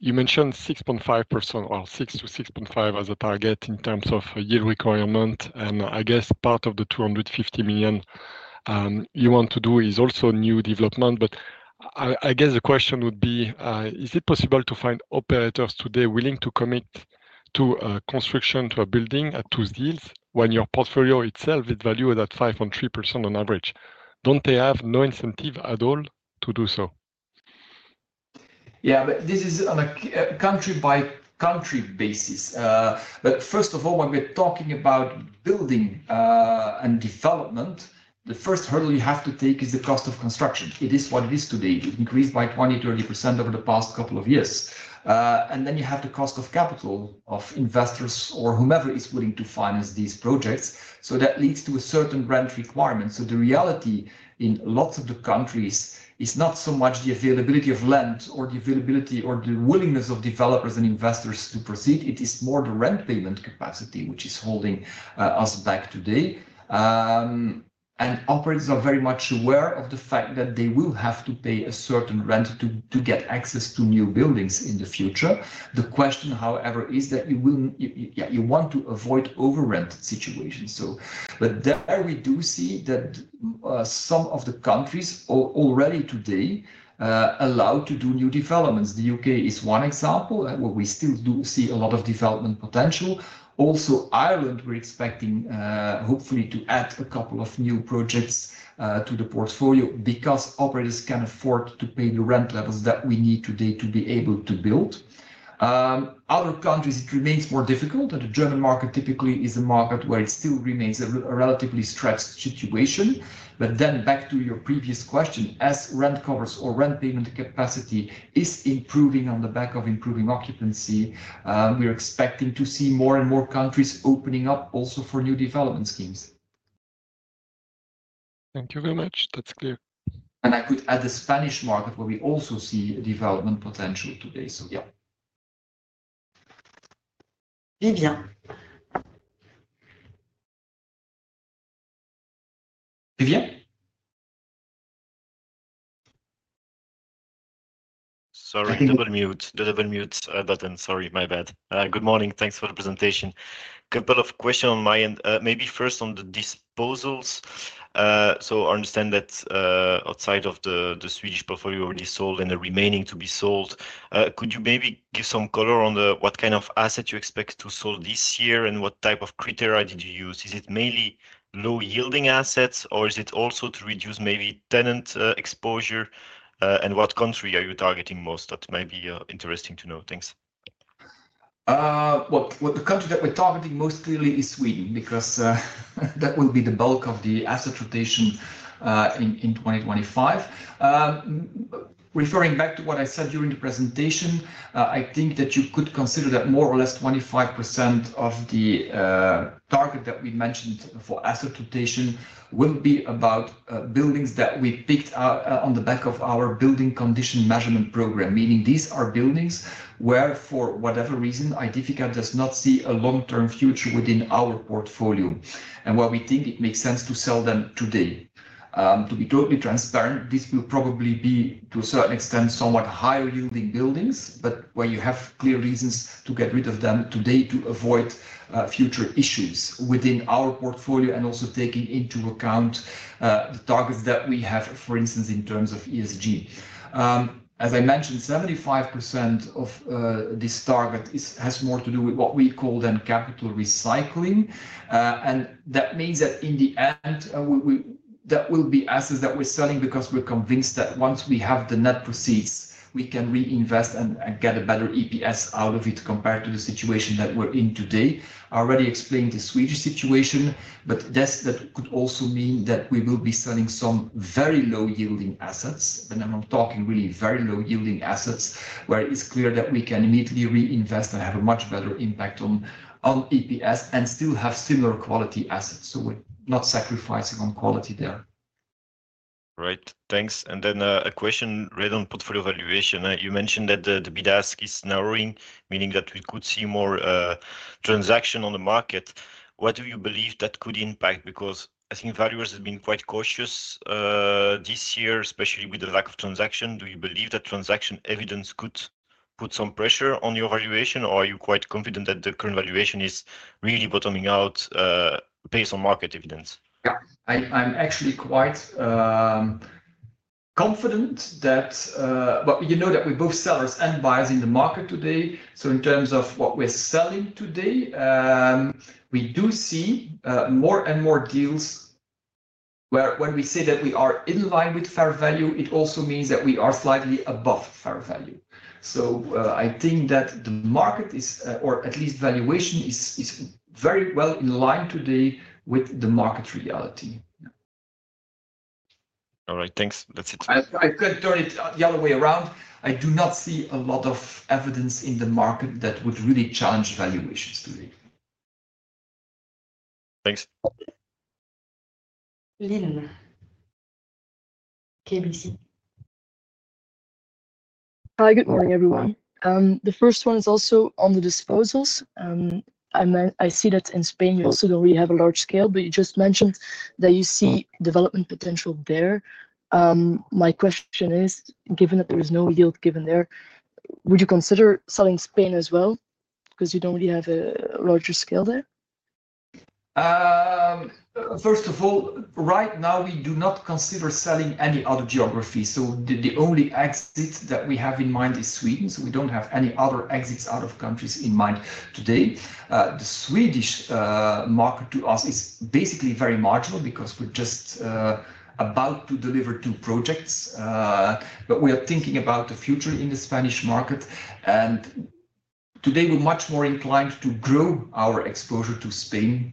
S6: You mentioned 6.5% or 6%-6.5% as a target in terms of yield requirement. I guess part of the 250 million you want to do is also new development. But I guess the question would be, is it possible to find operators today willing to commit to a construction, to a building at those deals when your portfolio itself is valued at 5.3% on average? Don't they have no incentive at all to do so?
S1: Yeah, but this is on a country-by-country basis. But first of all, when we're talking about building and development, the first hurdle you have to take is the cost of construction. It is what it is today. It increased by 20%-30% over the past couple of years. And then you have the cost of capital of investors or whomever is willing to finance these projects. So that leads to a certain rent requirement. So the reality in lots of the countries is not so much the availability of land or the availability or the willingness of developers and investors to proceed. It is more the rent payment capacity, which is holding us back today. And operators are very much aware of the fact that they will have to pay a certain rent to get access to new buildings in the future. The question, however, is that you will, yeah, you want to avoid overrent situations. So, but there we do see that some of the countries already today allowed to do new developments. The U.K. is one example where we still do see a lot of development potential. Also, Ireland, we're expecting, hopefully to add a couple of new projects to the portfolio because operators can afford to pay the rent levels that we need today to be able to build. Other countries, it remains more difficult. The German market typically is a market where it still remains a relatively stretched situation. But then back to your previous question, as rent covers or rent payment capacity is improving on the back of improving occupancy, we're expecting to see more and more countries opening up also for new development schemes.
S6: Thank you very much. That's clear.
S1: And I could add the Spanish market where we also see development potential today. So yeah.
S3: Vivien.
S7: Sorry, double mute, double mute button. Sorry, my bad. Good morning. Thanks for the presentation. Couple of questions on my end. Maybe first on the disposals. So I understand that, outside of the Swedish portfolio already sold and the remaining to be sold, could you maybe give some color on the what kind of asset you expect to sell this year and what type of criteria did you use? Is it mainly low-yielding assets or is it also to reduce maybe tenant exposure? And what country are you targeting most? That might be interesting to know. Thanks.
S1: What the country that we're targeting most clearly is Sweden because that will be the bulk of the asset rotation in 2025. Referring back to what I said during the presentation, I think that you could consider that more or less 25% of the target that we mentioned for asset rotation will be about buildings that we picked out on the back of our building condition measurement program, meaning these are buildings where, for whatever reason, Aedifica does not see a long-term future within our portfolio. And while we think it makes sense to sell them today, to be totally transparent, this will probably be to a certain extent somewhat higher-yielding buildings, but where you have clear reasons to get rid of them today to avoid future issues within our portfolio and also taking into account the targets that we have, for instance, in terms of ESG. As I mentioned, 75% of this target has more to do with what we call then capital recycling. That means that in the end, that will be assets that we're selling because we're convinced that once we have the net proceeds, we can reinvest and get a better EPS out of it compared to the situation that we're in today. I already explained the Swedish situation, but that could also mean that we will be selling some very low-yielding assets. And I'm talking really very low-yielding assets where it's clear that we can immediately reinvest and have a much better impact on EPS and still have similar quality assets. So we're not sacrificing on quality there.
S7: Right. Thanks. And then a question related to portfolio valuation. You mentioned that the bid-ask is narrowing, meaning that we could see more transactions on the market. What do you believe that could impact? Because I think valuers have been quite cautious this year, especially with the lack of transaction. Do you believe that transaction evidence could put some pressure on your valuation, or are you quite confident that the current valuation is really bottoming out, based on market evidence?
S1: Yeah, I'm actually quite confident that, well, you know that we're both sellers and buyers in the market today. So in terms of what we're selling today, we do see more and more deals where when we say that we are in line with fair value, it also means that we are slightly above fair value. So I think that the market is, or at least valuation is very well in line today with the market reality.
S7: All right. Thanks. That's it.
S1: I could turn it the other way around. I do not see a lot of evidence in the market that would really challenge valuations today.
S7: Thanks.
S3: Lynn. KBC.
S8: Hi. Good morning, everyone. The first one is also on the disposals. I mean, I see that in Spain, you also don't really have a large scale, but you just mentioned that you see development potential there. My question is, given that there is no yield given there, would you consider selling Spain as well because you don't really have a larger scale there?
S1: First of all, right now, we do not consider selling any other geography. So the only exit that we have in mind is Sweden. So we don't have any other exits out of countries in mind today. The Swedish market to us is basically very marginal because we're just about to deliver two projects. But we are thinking about the future in the Spanish market. Today, we're much more inclined to grow our exposure to Spain,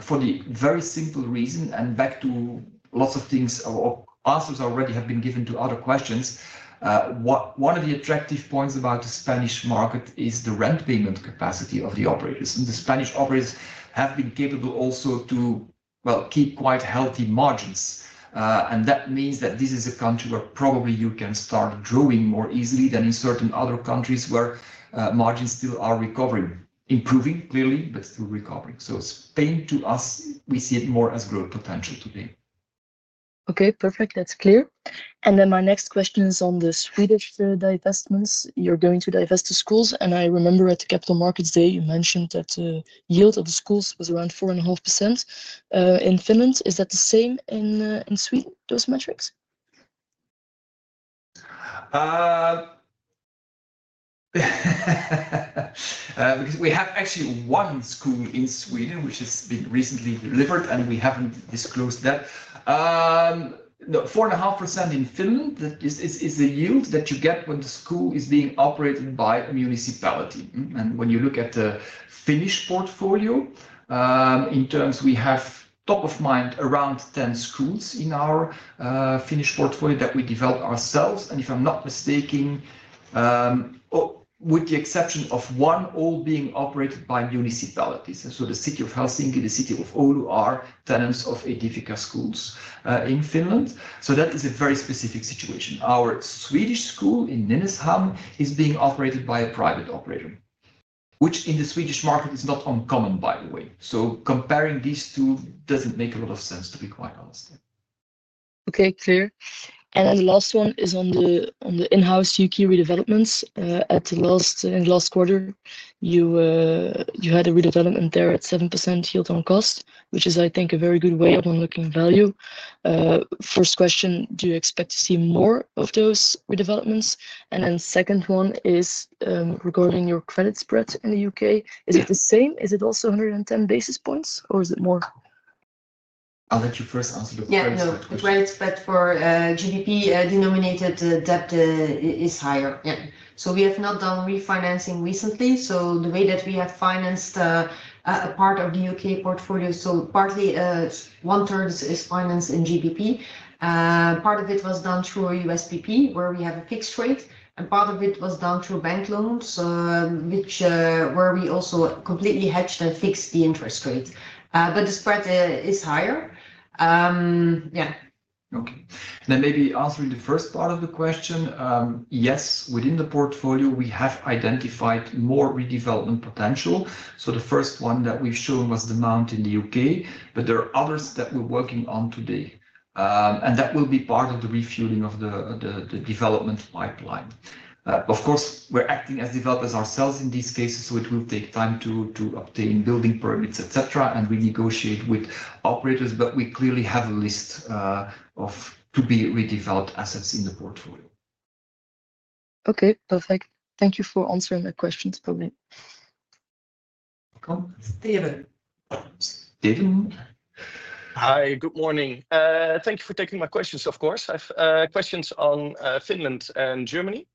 S1: for the very simple reason. Back to lots of things, our answers already have been given to other questions. One of the attractive points about the Spanish market is the rent payment capacity of the operators. The Spanish operators have been capable also to, well, keep quite healthy margins. That means that this is a country where probably you can start growing more easily than in certain other countries where margins still are recovering, improving clearly, but still recovering. Spain, to us, we see it more as growth potential today.
S8: Okay. Perfect. That's clear. Then my next question is on the Swedish divestments. You're going to divest the schools. I remember at the Capital Markets Day, you mentioned that the yield of the schools was around 4.5%. In Finland, is that the same in Sweden, those metrics?
S1: Because we have actually one school in Sweden, which has been recently delivered, and we haven't disclosed that. No, 4.5% in Finland, that is the yield that you get when the school is being operated by a municipality. When you look at the Finnish portfolio, in terms we have top of mind around 10 schools in our Finnish portfolio that we develop ourselves. If I'm not mistaken, with the exception of one, all being operated by municipalities. The City of Helsinki, the City of Oulu, are tenants of Aedifica schools in Finland. That is a very specific situation. Our Swedish school in Nynäshamn is being operated by a private operator, which in the Swedish market is not uncommon, by the way. So comparing these two doesn't make a lot of sense, to be quite honest.
S8: Okay. Clear. And then the last one is on the in-house U.K. redevelopments. In the last quarter, you had a redevelopment there at 7% yield on cost, which is, I think, a very good way of unlocking value. First question, do you expect to see more of those redevelopments? And then second one is, regarding your credit spread in the U.K., is it the same? Is it also 110 basis points, or is it more?
S1: I'll let you first answer the credit spread question.
S2: The credit spread for GBP denominated debt is higher. Yeah. So we have not done refinancing recently. So the way that we have financed a part of the U.K. portfolio, so partly, 1/3 is financed in GBP. Part of it was done through a USPP where we have a fixed rate, and part of it was done through bank loans, which, where we also completely hedged and fixed the interest rate, but the spread is higher. Yeah.
S1: Okay, then maybe answering the first part of the question, yes, within the portfolio, we have identified more redevelopment potential. So the first one that we've shown was The Mount in the U.K., but there are others that we're working on today, and that will be part of the refueling of the development pipeline. Of course, we're acting as developers ourselves in these cases, so it will take time to obtain building permits, etc., and renegotiate with operators. But we clearly have a list of to be redeveloped assets in the portfolio.
S8: Okay. Perfect. Thank you for answering the questions.
S3: Steven.
S1: Steven?
S9: Hi. Good morning. Thank you for taking my questions, of course. I have questions on Finland and Germany.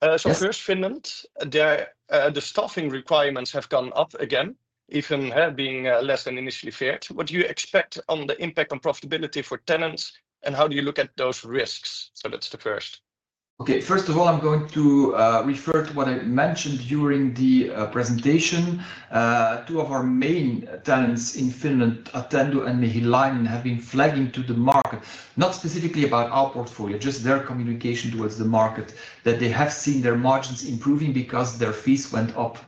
S9: First, Finland. The staffing requirements have gone up again, even being less than initially feared. What do you expect on the impact on profitability for tenants, and how do you look at those risks? That's the first.
S1: Okay. First of all, I'm going to refer to what I mentioned during the presentation. Two of our main tenants in Finland, Attendo and Mehiläinen, have been flagging to the market, not specifically about our portfolio, just their communication towards the market, that they have seen their margins improving because their fees went up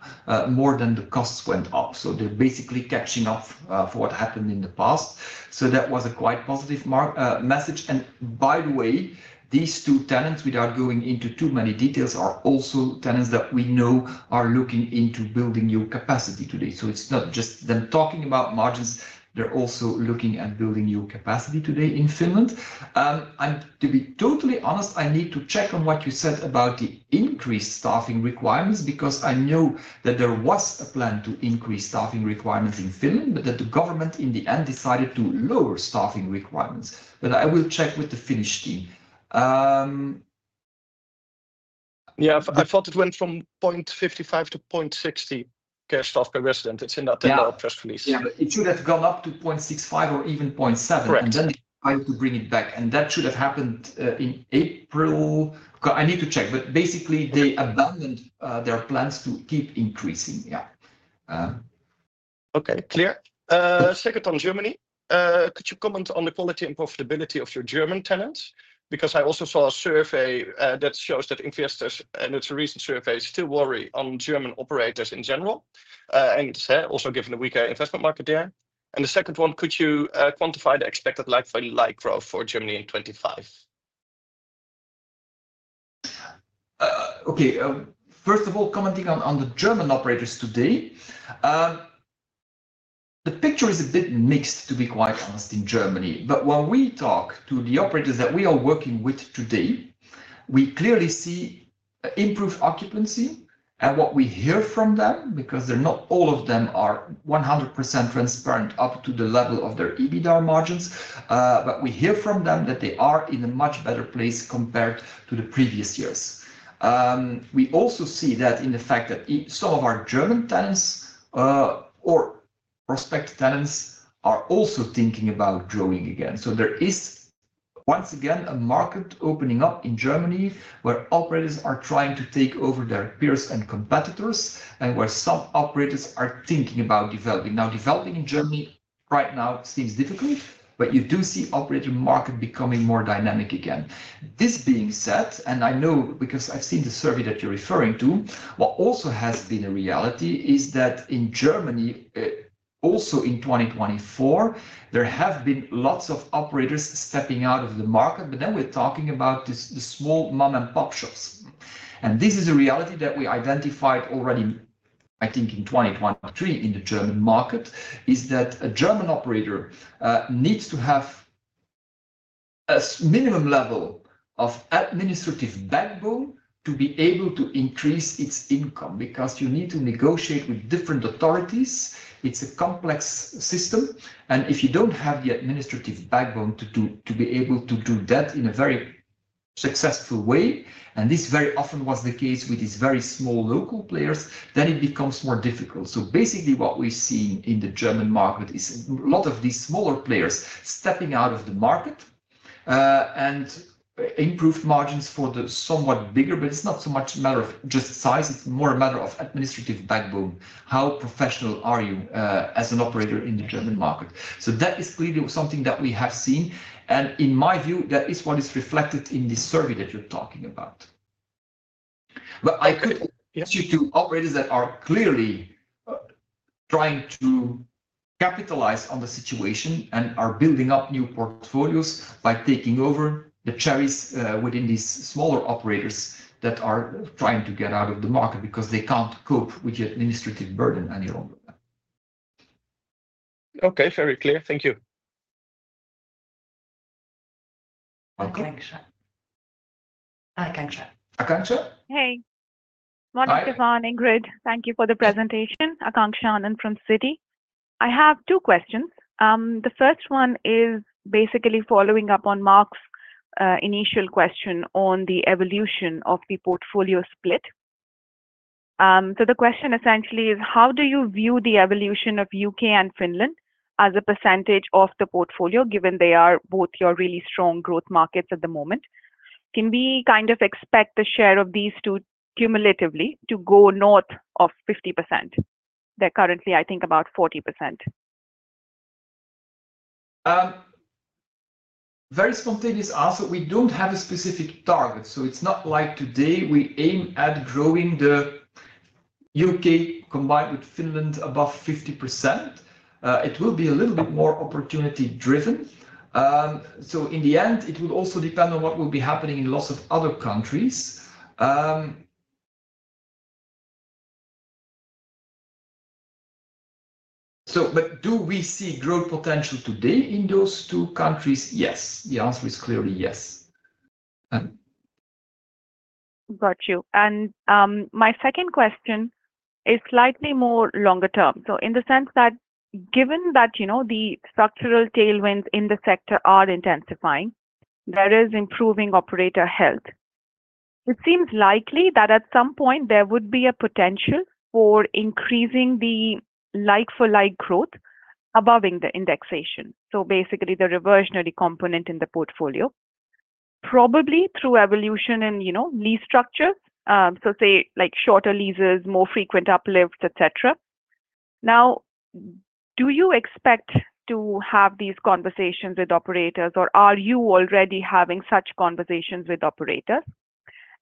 S1: more than the costs went up. So they're basically catching up for what happened in the past. That was a quite positive market message. And by the way, these two tenants, without going into too many details, are also tenants that we know are looking into building new capacity today. So it's not just them talking about margins. They're also looking at building new capacity today in Finland. And to be totally honest, I need to check on what you said about the increased staffing requirements because I know that there was a plan to increase staffing requirements in Finland, but that the government in the end decided to lower staffing requirements. But I will check with the Finnish team.
S9: Yeah, I thought it went from 0.55-0.60. Okay. Staff per resident. It's in Attendo press release.
S1: Yeah, but it should have gone up to 0.65 or even 0.7.
S9: Correct.
S1: And then they tried to bring it back. And that should have happened in April. I need to check. But basically, they abandoned their plans to keep increasing. Yeah.
S9: Okay. Clear. Second, on Germany. Could you comment on the quality and profitability of your German tenants? Because I also saw a survey that shows that investors, and it's a recent survey, still worry on German operators in general. And it's also given the weaker investment market there. And the second one, could you quantify the expected like-for-like growth for Germany in 2025?
S1: Okay. First of all, commenting on the German operators today, the picture is a bit mixed, to be quite honest, in Germany. But when we talk to the operators that we are working with today, we clearly see improved occupancy and what we hear from them because they're not all 100% transparent up to the level of their EBITDA margins. But we hear from them that they are in a much better place compared to the previous years. We also see that in the fact that some of our German tenants, or prospective tenants are also thinking about growing again. So there is once again a market opening up in Germany where operators are trying to take over their peers and competitors and where some operators are thinking about developing. Now, developing in Germany right now seems difficult, but you do see operator market becoming more dynamic again. This being said, and I know because I've seen the survey that you're referring to, what also has been a reality is that in Germany, also in 2024, there have been lots of operators stepping out of the market. But then we're talking about the small mom-and-pop shops. This is a reality that we identified already, I think, in 2023 in the German market: a German operator needs to have a minimum level of administrative backbone to be able to increase its income because you need to negotiate with different authorities. It's a complex system. If you don't have the administrative backbone to be able to do that in a very successful way, and this very often was the case with these very small local players, then it becomes more difficult. Basically, what we see in the German market is a lot of these smaller players stepping out of the market, and improved margins for the somewhat bigger, but it's not so much a matter of just size. It's more a matter of administrative backbone. How professional are you, as an operator in the German market? So that is clearly something that we have seen. And in my view, that is what is reflected in the survey that you're talking about. But I could ask you to operators that are clearly trying to capitalize on the situation and are building up new portfolios by taking over the cherries within these smaller operators that are trying to get out of the market because they can't cope with the administrative burden any longer.
S9: Okay. Very clear. Thank you.
S3: Akanksha. Akanksha.
S1: Akanksha.
S10: Hey. Morning, Steven. Ingrid, thank you for the presentation. Akanksha from Citi. I have two questions. The first one is basically following up on Mark's initial question on the evolution of the portfolio split. So the question essentially is, how do you view the evolution of U.K. and Finland as a percentage of the portfolio, given they are both your really strong growth markets at the moment? Can we kind of expect the share of these two cumulatively to go north of 50%? They're currently, I think, about 40%.
S1: Very spontaneous answer. We don't have a specific target. So it's not like today we aim at growing the U.K. combined with Finland above 50%. It will be a little bit more opportunity-driven. So in the end, it will also depend on what will be happening in lots of other countries. So, but do we see growth potential today in those two countries? Yes. The answer is clearly yes.
S10: Got you. And, my second question is slightly more longer term. So in the sense that given that, you know, the structural tailwinds in the sector are intensifying, there is improving operator health, it seems likely that at some point there would be a potential for increasing the like-for-like growth above the indexation. So basically the reversionary component in the portfolio, probably through evolution and, you know, lease structures. So say like shorter leases, more frequent uplifts, etc. Now, do you expect to have these conversations with operators, or are you already having such conversations with operators?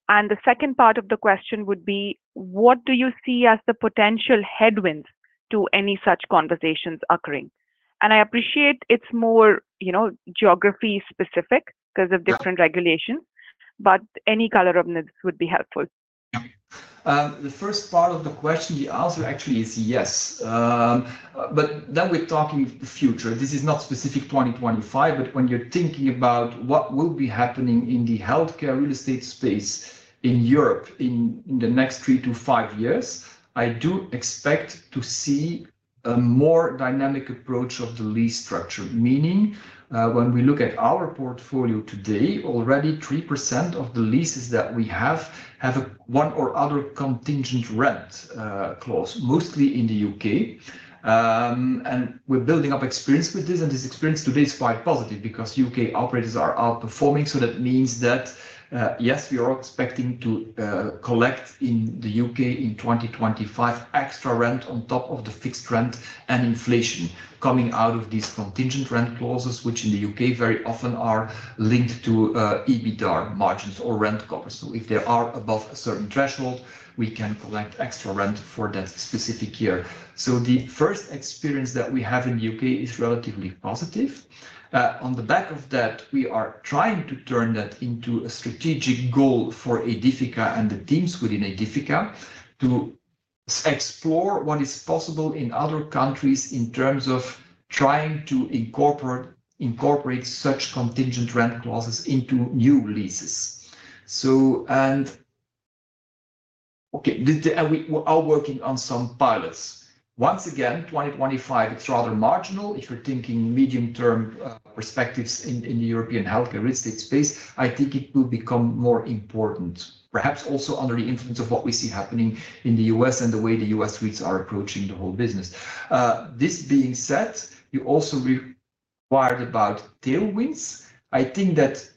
S10: And the second part of the question would be, what do you see as the potential headwinds to any such conversations occurring? And I appreciate it's more, you know, geography-specific because of different regulations, but any color on this would be helpful.
S1: Yeah. The first part of the question, the answer actually is yes. But then we're talking the future. This is not specific 2025, but when you're thinking about what will be happening in the healthcare real estate space in Europe in the next three to five years, I do expect to see a more dynamic approach of the lease structure. Meaning, when we look at our portfolio today, already 3% of the leases that we have have a one or other contingent rent clause, mostly in the U.K. And we're building up experience with this. And this experience today is quite positive because U.K. operators are outperforming. So that means that, yes, we are expecting to collect in the U.K. in 2025 extra rent on top of the fixed rent and inflation coming out of these contingent rent clauses, which in the U.K. very often are linked to EBITDA margins or rent covers. So if they are above a certain threshold, we can collect extra rent for that specific year. So the first experience that we have in the U.K. is relatively positive. On the back of that, we are trying to turn that into a strategic goal for Aedifica and the teams within Aedifica to explore what is possible in other countries in terms of trying to incorporate such contingent rent clauses into new leases. So, we are working on some pilots. Once again, 2025, it's rather marginal. If you're thinking medium-term perspectives in the European healthcare real estate space, I think it will become more important, perhaps also under the influence of what we see happening in the U.S. and the way the U.S. REITs are approaching the whole business. This being said, you also inquired about tailwinds. I think that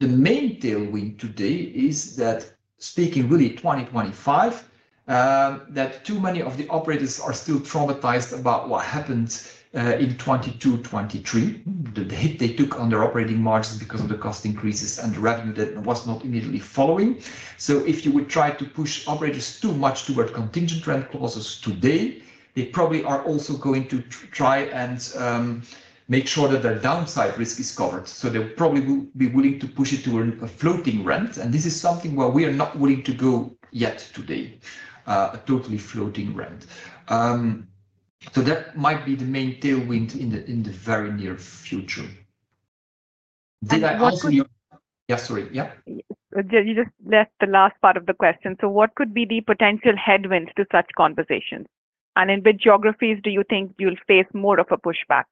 S1: the main tailwind today is that, speaking really 2025, that too many of the operators are still traumatized about what happened in 2022, 2023, the hit they took on their operating margins because of the cost increases and the revenue that was not immediately following. So if you would try to push operators too much toward contingent rent clauses today, they probably are also going to try and make sure that the downside risk is covered. So they probably will be willing to push it to a floating rent. And this is something where we are not willing to go yet today, a totally floating rent. So that might be the main tailwind in the very near future. Did I answer your question? Yeah, sorry. Yeah.
S10: You just left the last part of the question. So what could be the potential headwinds to such conversations? In which geographies do you think you'll face more of a pushback?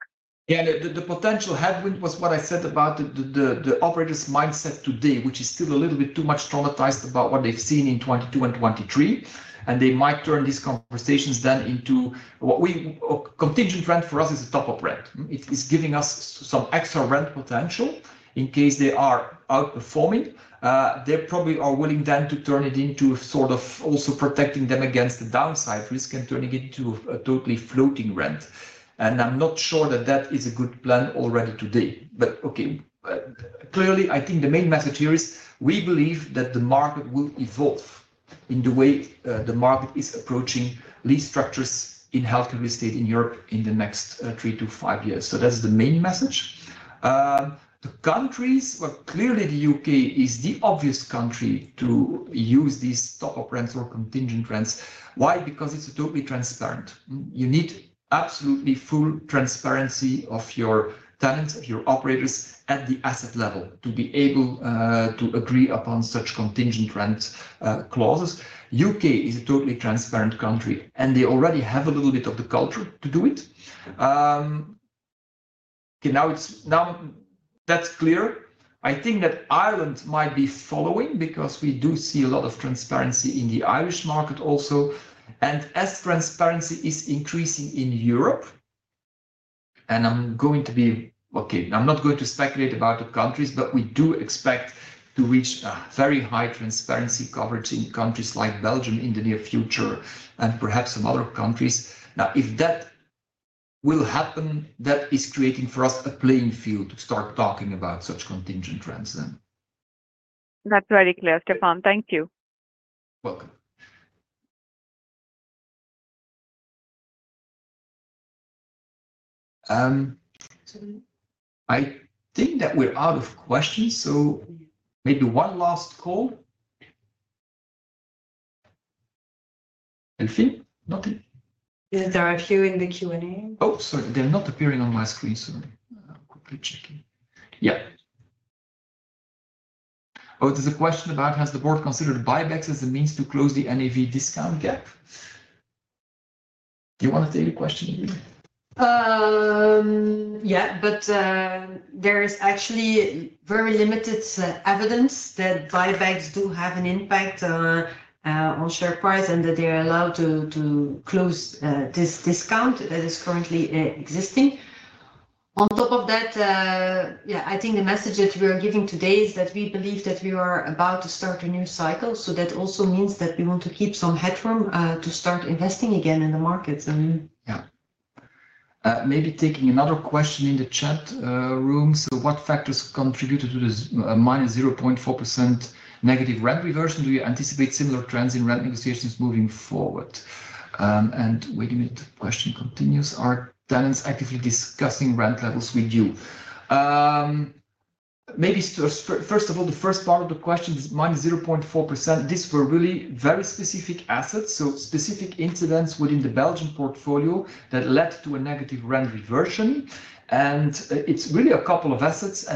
S1: Yeah, the potential headwind was what I said about the operators' mindset today, which is still a little bit too much traumatized about what they've seen in 2022 and 2023. They might turn these conversations then into what our contingent rent for us is a top-up rent. It's giving us some extra rent potential in case they are outperforming. They probably are willing then to turn it into sort of also protecting them against the downside risk and turning it into a totally floating rent. I'm not sure that is a good plan already today. But okay, clearly, I think the main message here is we believe that the market will evolve in the way the market is approaching lease structures in healthcare real estate in Europe in the next three to five years. So that's the main message. The countries, well, clearly the U.K. is the obvious country to use these top-up rents or contingent rents. Why? Because it's totally transparent. You need absolutely full transparency of your tenants, of your operators at the asset level to be able to agree upon such contingent rent clauses. The U.K. is a totally transparent country, and they already have a little bit of the culture to do it. Okay, now that's clear. I think that Ireland might be following because we do see a lot of transparency in the Irish market also. And as transparency is increasing in Europe, and I'm going to be okay, I'm not going to speculate about the countries, but we do expect to reach a very high transparency coverage in countries like Belgium in the near future and perhaps some other countries. Now, if that will happen, that is creating for us a playing field to start talking about such contingent rents then.
S10: That's very clear, Stefaan. Thank you.
S1: Welcome. So I think that we're out of questions. So maybe one last call. Nothing?
S3: There are a few in the Q&A.
S1: Oh, sorry, they're not appearing on my screen. So I'm quickly checking. Yeah. Oh, there's a question about, has the Board considered buybacks as a means to close the NAV discount gap? Do you want to take the question?
S2: Yeah, but there is actually very limited evidence that buybacks do have an impact on share price and that they are allowed to close this discount that is currently existing. On top of that, yeah, I think the message that we are giving today is that we believe that we are about to start a new cycle, so that also means that we want to keep some headroom to start investing again in the markets, and yeah.
S1: Maybe taking another question in the chat room. So what factors contributed to the -0.4% negative rent reversion? Do you anticipate similar trends in rent negotiations moving forward, and wait a minute, the question continues. Are tenants actively discussing rent levels with you? Maybe first of all, the first part of the question is -0.4%. These were really very specific assets. Specific incidents within the Belgian portfolio that led to a negative rent reversion. It's really a couple of assets.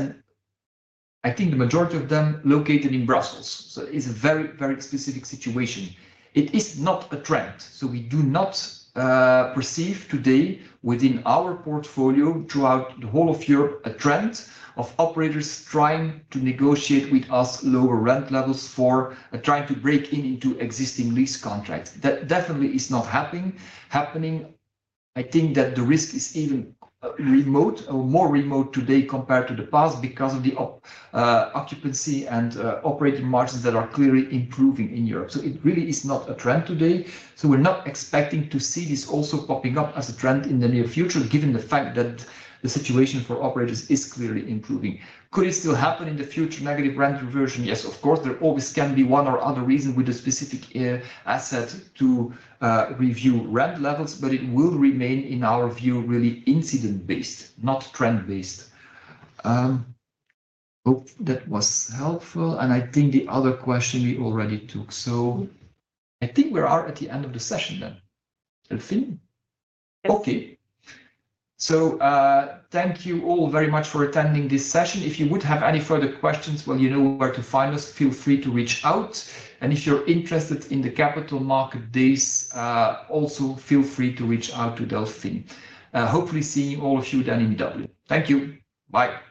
S1: I think the majority of them located in Brussels. It's a very, very specific situation. It is not a trend. We do not perceive today within our portfolio throughout the whole of Europe a trend of operators trying to negotiate with us lower rent levels for trying to break into existing lease contracts. That definitely is not happening. I think that the risk is even remote or more remote today compared to the past because of the occupancy and operating margins that are clearly improving in Europe. It really is not a trend today. We're not expecting to see this also popping up as a trend in the near future, given the fact that the situation for operators is clearly improving. Could it still happen in the future, negative rent reversion? Yes, of course. There always can be one or other reason with a specific asset to review rent levels, but it will remain, in our view, really incident-based, not trend-based. Hope that was helpful. And I think the other question we already took. So I think we are at the end of the session then. Delphine? So, thank you all very much for attending this session. If you would have any further questions, well, you know where to find us. Feel free to reach out. And if you're interested in the Capital Markets Day, also feel free to reach out to Delphine. Hopefully seeing all of you then in Dublin. Thank you. Bye.